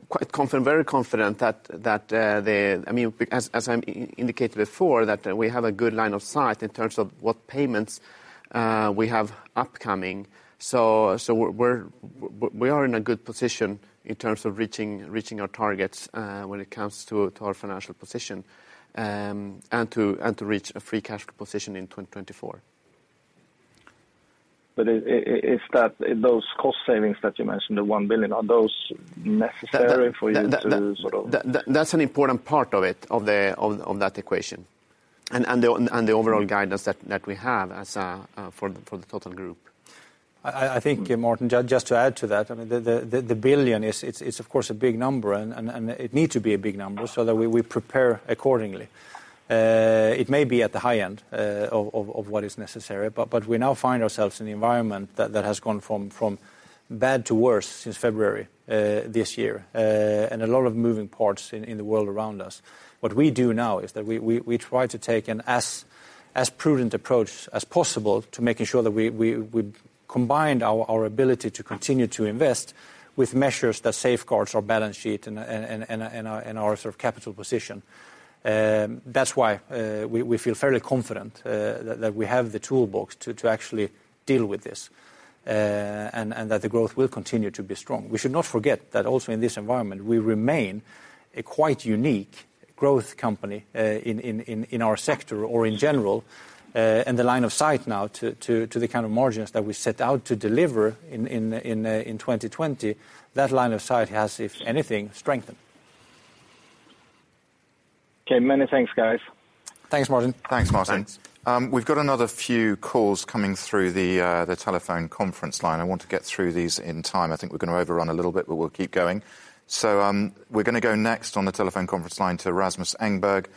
quite confident, very confident that I mean, as I indicated before, that we have a good line of sight in terms of what payments we have upcoming. We're in a good position in terms of reaching our targets when it comes to our financial position, and to reach a free cash flow position in 2024. If those cost savings that you mentioned, the 1 billion, are those necessary for you to sort of? That's an important part of it, of that equation and the overall guidance that we have as for the total group. I think, Martin, just to add to that, I mean, the 1 billion is—it's of course a big number and it needs to be a big number so that we prepare accordingly. It may be at the high end of what is necessary, but we now find ourselves in an environment that has gone from bad to worse since February this year. A lot of moving parts in the world around us. What we do now is that we try to take as prudent approach as possible to making sure that we combined our ability to continue to invest with measures that safeguards our balance sheet and our sort of capital position. That's why we feel fairly confident that we have the toolbox to actually deal with this, and that the growth will continue to be strong. We should not forget that also in this environment, we remain a quite unique growth company in our sector or in general. The line of sight now to the kind of margins that we set out to deliver in 2020, that line of sight has, if anything, strengthened. Okay. Many thanks, guys. Thanks, Martin. Thanks, Martin. Thanks. We've got another few calls coming through the telephone conference line. I want to get through these in time. I think we're gonna overrun a little bit, but we'll keep going. We're gonna go next on the telephone conference line to Rasmus Engberg.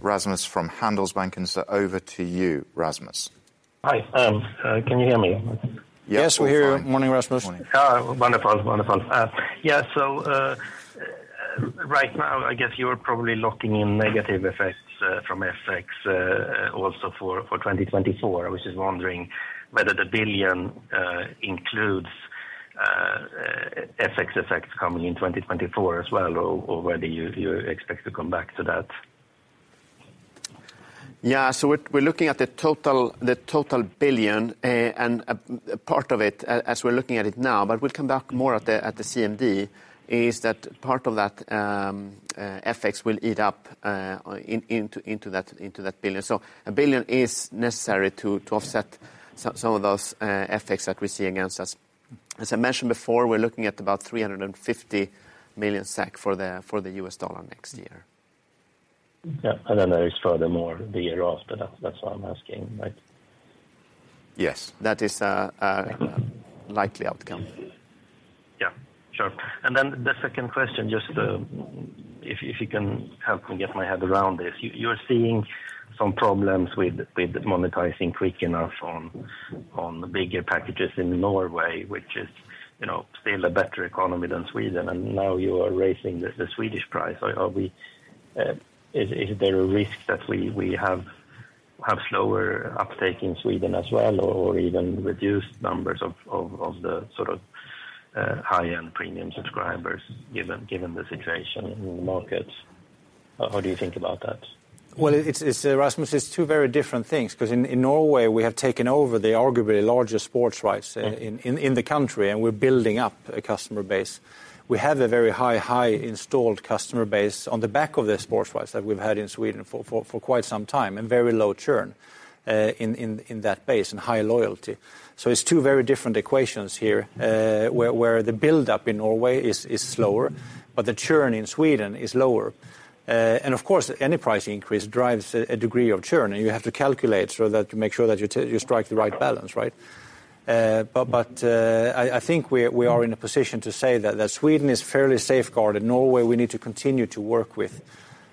Rasmus from Handelsbanken. Over to you, Rasmus. Hi. Can you hear me? Yes, we hear you. Morning, Rasmus. Yep, all fine. Morning. Oh, wonderful. Yeah, so right now, I guess you're probably locking in negative effects from FX also for 2024. I was just wondering whether the billion includes FX effects coming in 2024 as well, or whether you expect to come back to that. We're looking at the total 1 billion and a part of it as we're looking at it now, but we'll come back more at the CMD, that part of that FX will eat up into that 1 billion. A 1 billion is necessary to offset some of those FX that we're seeing against us. As I mentioned before, we're looking at about 350 million SEK for the U.S. dollar next year. Yeah. There is furthermore the year after that. That's why I'm asking, right? Yes. That is likely outcome. Yeah. Sure. The second question, just, if you can help me get my head around this. You're seeing some problems with monetizing quick enough on the bigger packages in Norway, which is, you know, still a better economy than Sweden, and now you are raising the Swedish price. Is there a risk that we have slower uptake in Sweden as well, or even reduced numbers of the sort of high-end premium subscribers given the situation in the markets? What do you think about that? Well, it's Rasmus, it's two very different things, 'cause in Norway, we have taken over the arguably largest sports rights in the country, and we're building up a customer base. We have a very high installed customer base on the back of the sports rights that we've had in Sweden for quite some time, and very low churn in that base, and high loyalty. It's two very different equations here. Where the buildup in Norway is slower, but the churn in Sweden is lower. Of course, any price increase drives a degree of churn, and you have to calculate so that you make sure that you strike the right balance, right? I think we are in a position to say that Sweden is fairly safeguarded. Norway, we need to continue to work with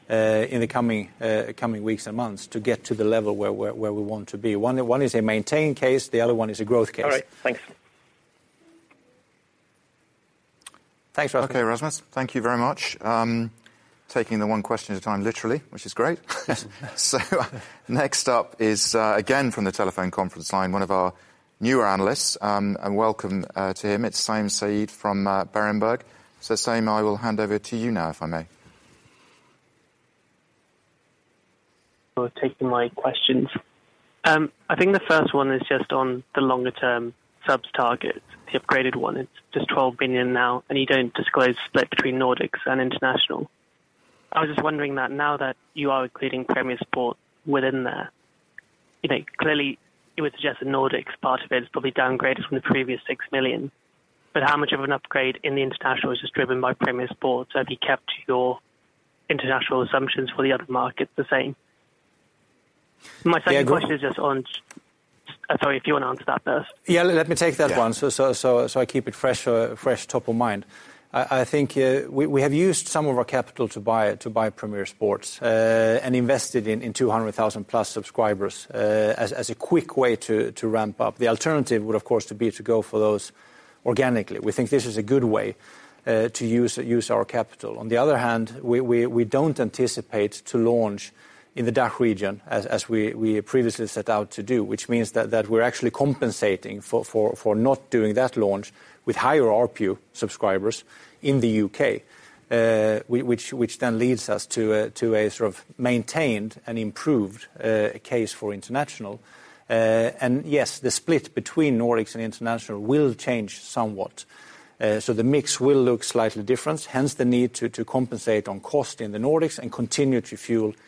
in the coming weeks and months to get to the level where we want to be. One is a maintained case, the other one is a growth case. All right. Thanks. Thanks, Rasmus. Okay, Rasmus. Thank you very much. Taking the one question at a time literally, which is great. Next up is, again, from the telephone conference line, one of our newer analysts, and welcome to him. It's Saim Saeed from Berenberg. Saim, I will hand over to you now, if I may. For taking my questions. I think the first one is just on the longer term subs targets, the upgraded one. It's just 12 billion now, and you don't disclose split between Nordics and international. I was just wondering that now that you are including Premier Sports within there, you know, clearly it would suggest that Nordics part of it is probably downgraded from the previous 6 million. How much of an upgrade in the international is just driven by Premier Sports? Have you kept your international assumptions for the other markets the same? My second question is just on... Yeah. Sorry, if you wanna answer that first. Yeah, let me take that one. Yeah I keep it fresh top of mind. I think we have used some of our capital to buy Premier Sports and invested in 200,000+ subscribers as a quick way to ramp up. The alternative would, of course, to be to go for those organically. We think this is a good way to use our capital. On the other hand, we don't anticipate to launch in the DACH region as we previously set out to do, which means that we're actually compensating for not doing that launch with higher ARPU subscribers in the U.K.. Which then leads us to a sort of maintained and improved case for international. Yes, the split between Nordics and international will change somewhat. The mix will look slightly different, hence the need to compensate on cost in the Nordics and continue to fuel international.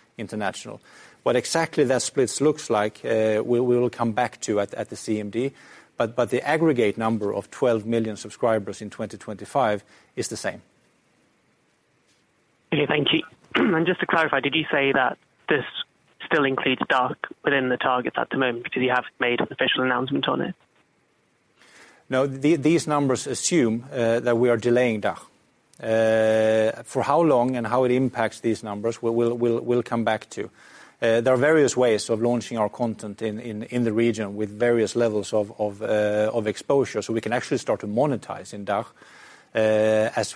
What exactly that split looks like, we will come back to at the CMD, but the aggregate number of 12 million subscribers in 2025 is the same. Okay, thank you. Just to clarify, did you say that this still includes DACH within the targets at the moment because you haven't made an official announcement on it? No. These numbers assume that we are delaying DACH. For how long and how it impacts these numbers, we'll come back to. There are various ways of launching our content in the region with various levels of exposure, so we can actually start to monetize in DACH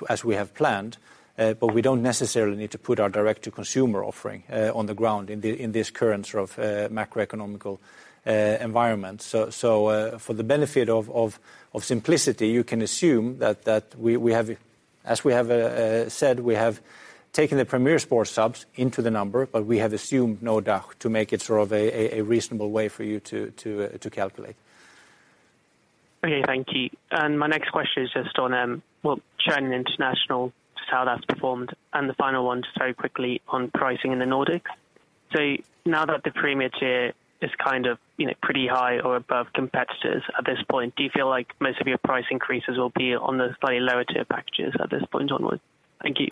as we have planned, but we don't necessarily need to put our direct-to-consumer offering on the ground in this current sort of macroeconomic environment. For the benefit of simplicity, you can assume that we have. As we have said, we have taken the Premier Sports subs into the number, but we have assumed no DACH to make it sort of a reasonable way for you to calculate. Okay, thank you. My next question is just on, well, churn international, just how that's performed. The final one, just very quickly, on pricing in the Nordics. Now that the premium tier is kind of, you know, pretty high or above competitors at this point, do you feel like most of your price increases will be on the slightly lower tier packages at this point onward? Thank you.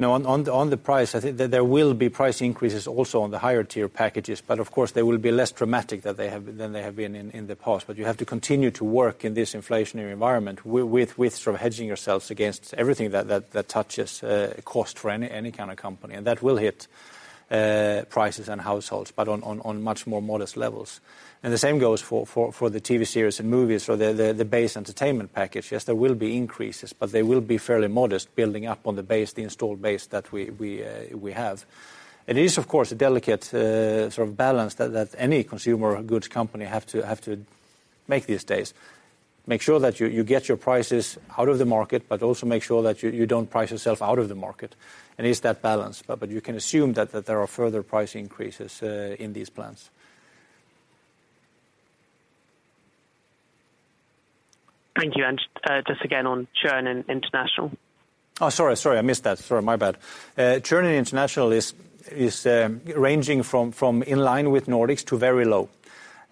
No. On the price, I think that there will be price increases also on the higher tier packages, but of course they will be less dramatic than they have been in the past. You have to continue to work in this inflationary environment with sort of hedging yourselves against everything that touches cost for any kind of company. That will hit prices and households, but on much more modest levels. The same goes for the TV series and movies or the base entertainment package. Yes, there will be increases, but they will be fairly modest building up on the base, the installed base that we have. It is, of course, a delicate sort of balance that any consumer goods company have to make these days. Make sure that you get your prices out of the market, but also make sure that you don't price yourself out of the market. It's that balance, but you can assume that there are further price increases in these plans. Thank you. Just again on churn in international. Oh, sorry, I missed that. Sorry, my bad. Churn in international is ranging from in line with Nordics to very low.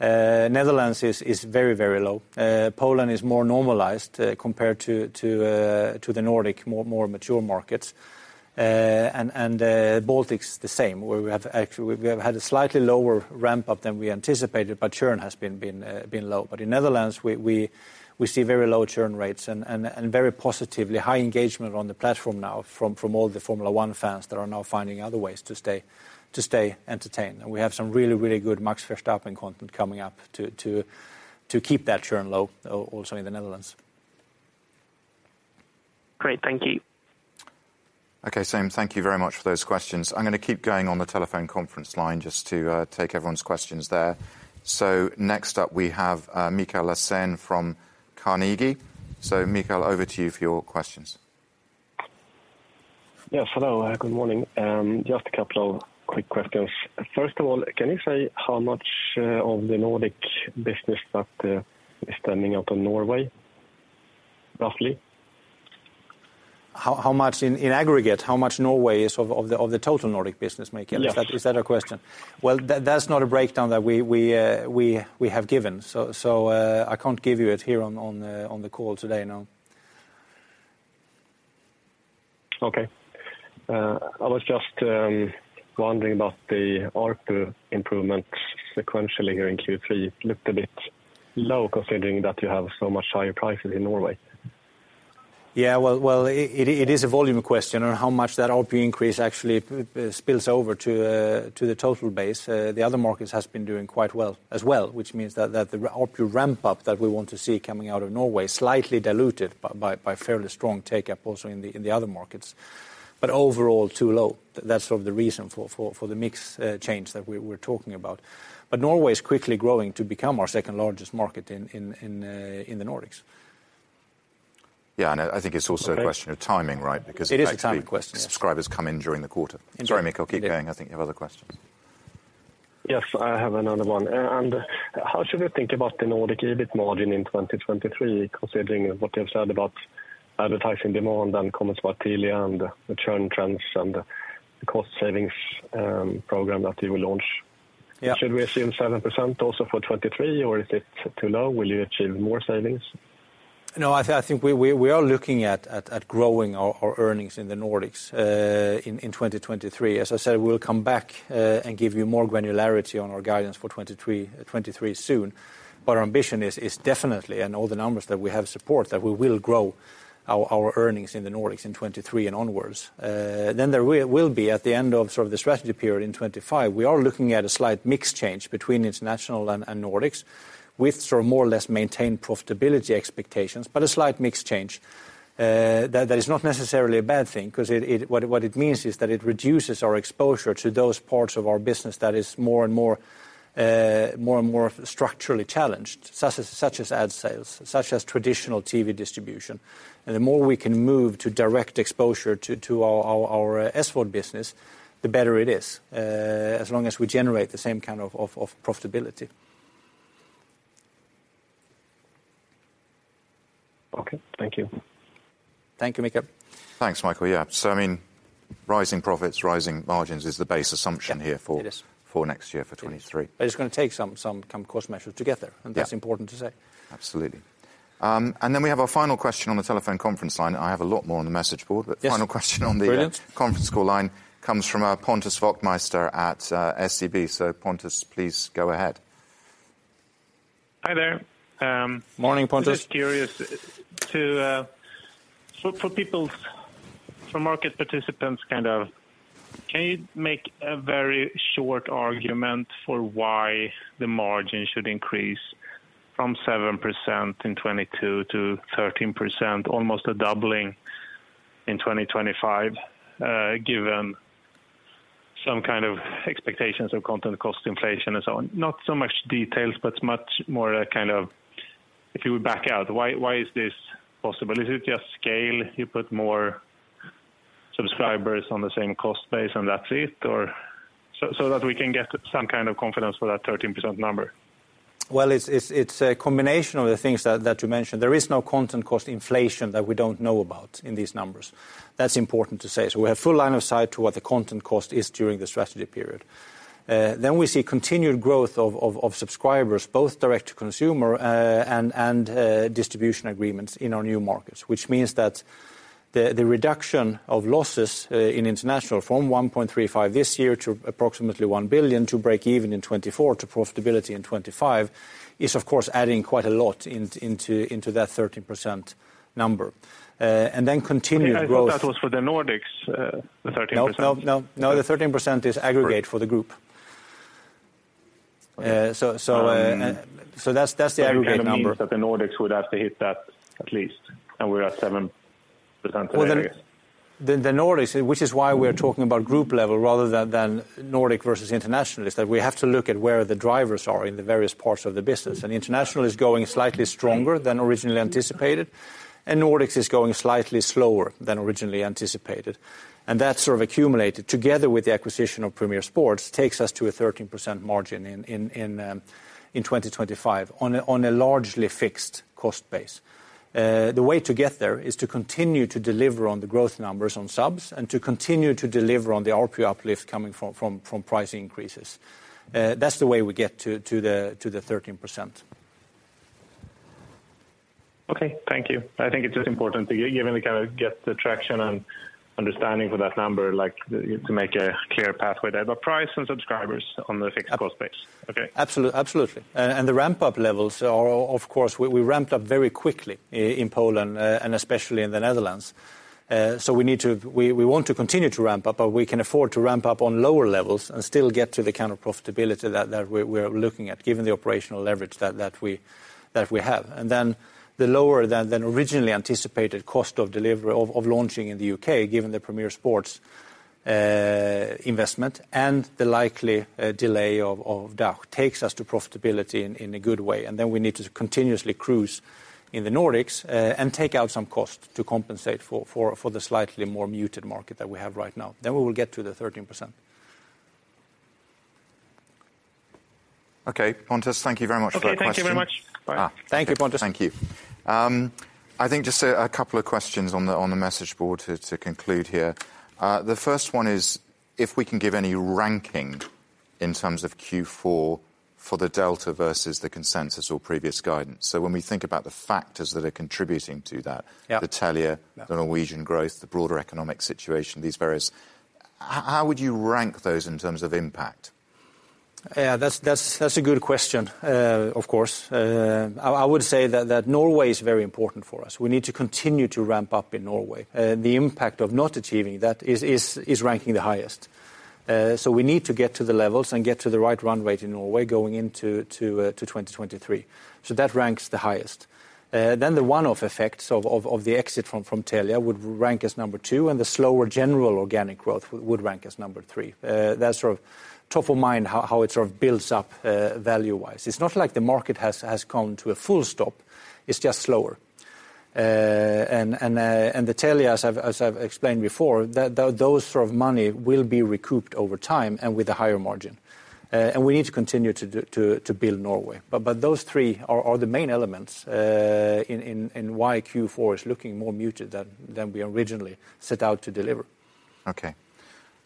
Netherlands is very low. Poland is more normalized compared to the Nordic more mature markets. Baltics the same, where we have had a slightly lower ramp-up than we anticipated, but churn has been low. In Netherlands, we see very low churn rates and very positively high engagement on the platform now from all the Formula One fans that are now finding other ways to stay entertained. We have some really good Max Verstappen content coming up to keep that churn low also in the Netherlands. Great. Thank you. Okay. Same. Thank you very much for those questions. I'm gonna keep going on the telephone conference line just to take everyone's questions there. Next up we have Mikael Laséen from Carnegie. Mikael, over to you for your questions. Yes, hello. Good morning. Just a couple of quick questions. First of all, can you say how much of the Nordic business that is stemming out of Norway, roughly? How much in aggregate? How much Norway is of the total Nordic business, Mikael? Yeah. Is that your question? Well, that's not a breakdown that we have given. So, I can't give you it here on the call today, no. Okay. I was just wondering about the ARPU improvements sequentially here in Q3. Looked a bit low considering that you have so much higher prices in Norway. Well, it is a volume question on how much that ARPU increase actually spills over to the total base. The other markets has been doing quite well as well, which means that the ARPU ramp-up that we want to see coming out of Norway slightly diluted by fairly strong take-up also in the other markets. Overall, too low. That's sort of the reason for the mix change that we're talking about. Norway is quickly growing to become our second-largest market in the Nordics. Yeah. I think it's also a question of timing, right? Because. It is a timing question, yes. Actually subscribers come in during the quarter. Exactly. Yeah. Sorry, Mikael. Keep going. I think you have other questions. Yes, I have another one. How should we think about the Nordic EBIT margin in 2023, considering what you have said about advertising demand and Com Hem, Telia, and the churn trends and the cost savings program that you will launch? Yeah. Should we assume 7% also for 2023 or is it too low? Will you achieve more savings? No, I think we are looking at growing our earnings in the Nordics in 2023. As I said, we'll come back and give you more granularity on our guidance for 2023 soon. Our ambition is definitely, and all the numbers that we have support, that we will grow our earnings in the Nordics in 2023 and onwards. There will be at the end of sort of the strategy period in 2025, we are looking at a slight mix change between international and Nordics with sort of more or less maintained profitability expectations, but a slight mix change. That is not necessarily a bad thing 'cause what it means is that it reduces our exposure to those parts of our business that is more and more structurally challenged, such as ad sales, such as traditional TV distribution. The more we can move to direct exposure to our SVOD business, the better it is, as long as we generate the same kind of profitability. Okay. Thank you. Thank you, Mikael. Thanks, Mikael. Yeah. I mean, rising profits, rising margins is the base assumption here. Yeah. It is. for next year, for 2023. It's gonna take some cost measures to get there. Yeah. That's important to say. Absolutely. We have our final question on the telephone conference line. I have a lot more on the message board. Yes. Final question on the Brilliant The conference call line comes from Pontus Wachtmeister at SEB. Pontus, please go ahead. Hi there. Morning, Pontus. Just curious to for market participants, kind of, can you make a very short argument for why the margin should increase from 7% in 2022 to 13%, almost a doubling in 2025, given some kind of expectations of content cost inflation and so on? Not so much details, but much more, kind of if you would back out, why is this possible? Is it just scale? You put more subscribers on the same cost base, and that's it? So that we can get some kind of confidence for that 13% number. Well, it's a combination of the things that you mentioned. There is no content cost inflation that we don't know about in these numbers. That's important to say. We have full line of sight to what the content cost is during the strategy period. We see continued growth of subscribers, both direct to consumer and distribution agreements in our new markets. Which means that the reduction of losses in international from 1.35 this year to approximately 1 billion to breakeven in 2024 to profitability in 2025 is of course adding quite a lot into that 13% number, and then continued growth. I thought that was for the Nordics, the 13%. No, the 13% is aggregate for the group. Right. Uh, so, uh- Um- That's the aggregate number. That means that the Nordics would have to hit that at least, and we're at 7% today. Well, the Nordics, which is why we are talking about group level rather than Nordic versus international, is that we have to look at where the drivers are in the various parts of the business. International is going slightly stronger than originally anticipated, and Nordics is going slightly slower than originally anticipated. That sort of accumulated together with the acquisition of Premier Sports takes us to a 13% margin in 2025 on a largely fixed cost base. The way to get there is to continue to deliver on the growth numbers on subs and to continue to deliver on the RPO uplift coming from price increases. That's the way we get to the 13%. Okay. Thank you. I think it's just important, given the kind of traction and understanding for that number, like to make a clear pathway there. Price and subscribers on the fixed cost base. Okay. Absolutely. The ramp-up levels are of course we ramped up very quickly in Poland and especially in the Netherlands. We want to continue to ramp up, but we can afford to ramp up on lower levels and still get to the kind of profitability that we're looking at given the operational leverage that we have. The lower than originally anticipated cost of delivery of launching in the U.K., given the Premier Sports investment and the likely delay of DACH takes us to profitability in a good way. We need to continuously cruise in the Nordics and take out some cost to compensate for the slightly more muted market that we have right now. We will get to the 13%. Okay. Pontus, thank you very much for that question. Okay. Thank you very much. Bye. Thank you, Pontus. Thank you. I think just a couple of questions on the message board to conclude here. The first one is if we can give any ranking in terms of Q4 for the delta versus the consensus or previous guidance. When we think about the factors that are contributing to that. Yeah The Telia, the Norwegian growth, the broader economic situation, these various. How would you rank those in terms of impact? Yeah. That's a good question, of course. I would say that Norway is very important for us. We need to continue to ramp up in Norway. The impact of not achieving that is ranking the highest. We need to get to the levels and get to the right run rate in Norway going into 2023. That ranks the highest. The one-off effects of the exit from Telia would rank as number two, and the slower general organic growth would rank as number three. That's sort of top of mind how it sort of builds up value-wise. It's not like the market has come to a full stop. It's just slower. Telia, as I've explained before, those sort of money will be recouped over time and with a higher margin. We need to continue to build Norway. Those three are the main elements in why Q4 is looking more muted than we originally set out to deliver.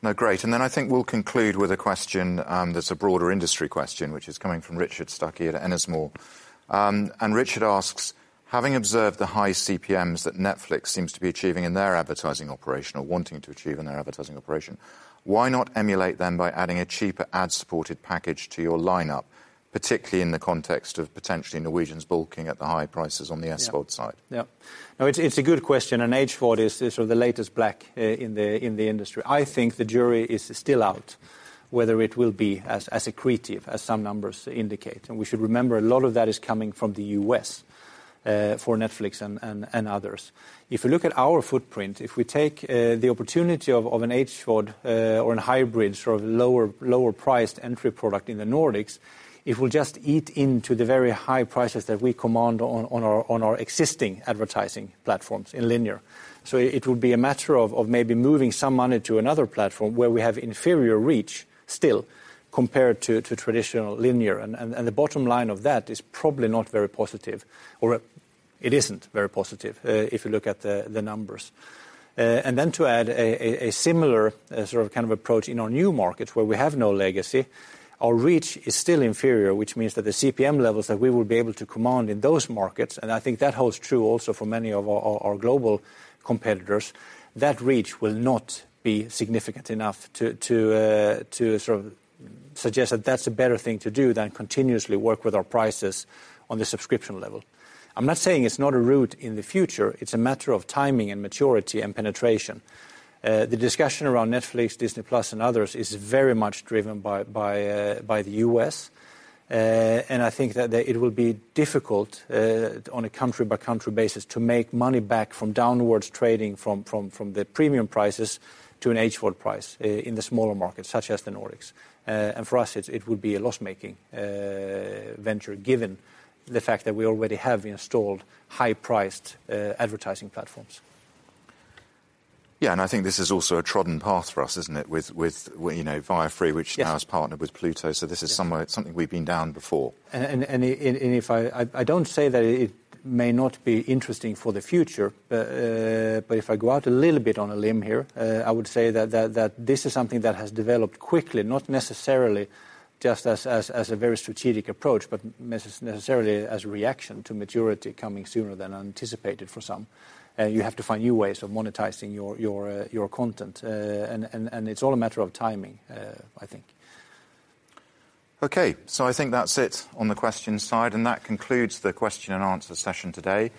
I think we'll conclude with a question that's a broader industry question, which is coming from Richard Staveley at Ennismore. Richard asks, Having observed the high CPMs that Netflix seems to be achieving in their advertising operation or wanting to achieve in their advertising operation, why not emulate them by adding a cheaper ad-supported package to your lineup, particularly in the context of potentially Norwegians balking at the high prices on the SVOD side? No, it's a good question, and HVOD is sort of the latest black in the industry. I think the jury is still out whether it will be as accretive as some numbers indicate. We should remember a lot of that is coming from the U.S. for Netflix and others. If you look at our footprint, if we take the opportunity of an HVOD or a hybrid, sort of lower priced entry product in the Nordics, it will just eat into the very high prices that we command on our existing advertising platforms in linear. It would be a matter of maybe moving some money to another platform where we have inferior reach still compared to traditional linear. The bottom line of that is probably not very positive or it isn't very positive, if you look at the numbers. To add a similar sort of kind of approach in our new markets where we have no legacy, our reach is still inferior, which means that the CPM levels that we will be able to command in those markets, and I think that holds true also for many of our global competitors, that reach will not be significant enough to sort of suggest that that's a better thing to do than continuously work with our prices on the subscription level. I'm not saying it's not a route in the future, it's a matter of timing, and maturity, and penetration. The discussion around Netflix, Disney+, and others is very much driven by the U.S. I think that it will be difficult on a country by country basis to make money back from downwards trading from the premium prices to an HVOD price in the smaller markets, such as the Nordics. For us, it would be a loss-making venture given the fact that we already have installed high-priced advertising platforms. Yeah, I think this is also a trodden path for us, isn't it? With, you know, Viafree. Yes which now is partnered with Pluto TV. Yes. This is something we've done before. I don't say that it may not be interesting for the future, but if I go out a little bit on a limb here, I would say that this is something that has developed quickly, not necessarily just as a very strategic approach, but necessarily as a reaction to maturity coming sooner than anticipated for some. You have to find new ways of monetizing your content. It's all a matter of timing, I think. Okay. I think that's it on the questions side, and that concludes the question and answer session today.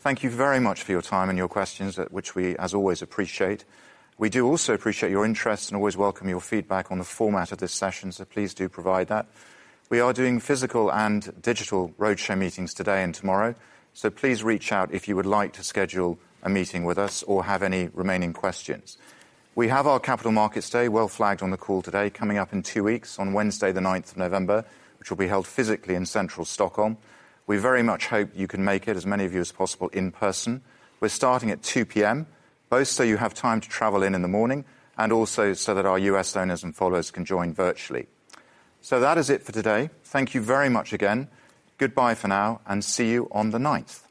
Thank you very much for your time and your questions, which we, as always, appreciate. We do also appreciate your interest and always welcome your feedback on the format of this session, so please do provide that. We are doing physical and digital roadshow meetings today and tomorrow, so please reach out if you would like to schedule a meeting with us or have any remaining questions. We have our Capital Markets Day, well flagged on the call today, coming up in two weeks on Wednesday the ninth of November, which will be held physically in central Stockholm. We very much hope you can make it, as many of you as possible in person. We're starting at 2:00 P.M., both so you have time to travel in the morning, and also so that our U.S. owners and followers can join virtually. That is it for today. Thank you very much again. Goodbye for now, and see you on the ninth. Thank you.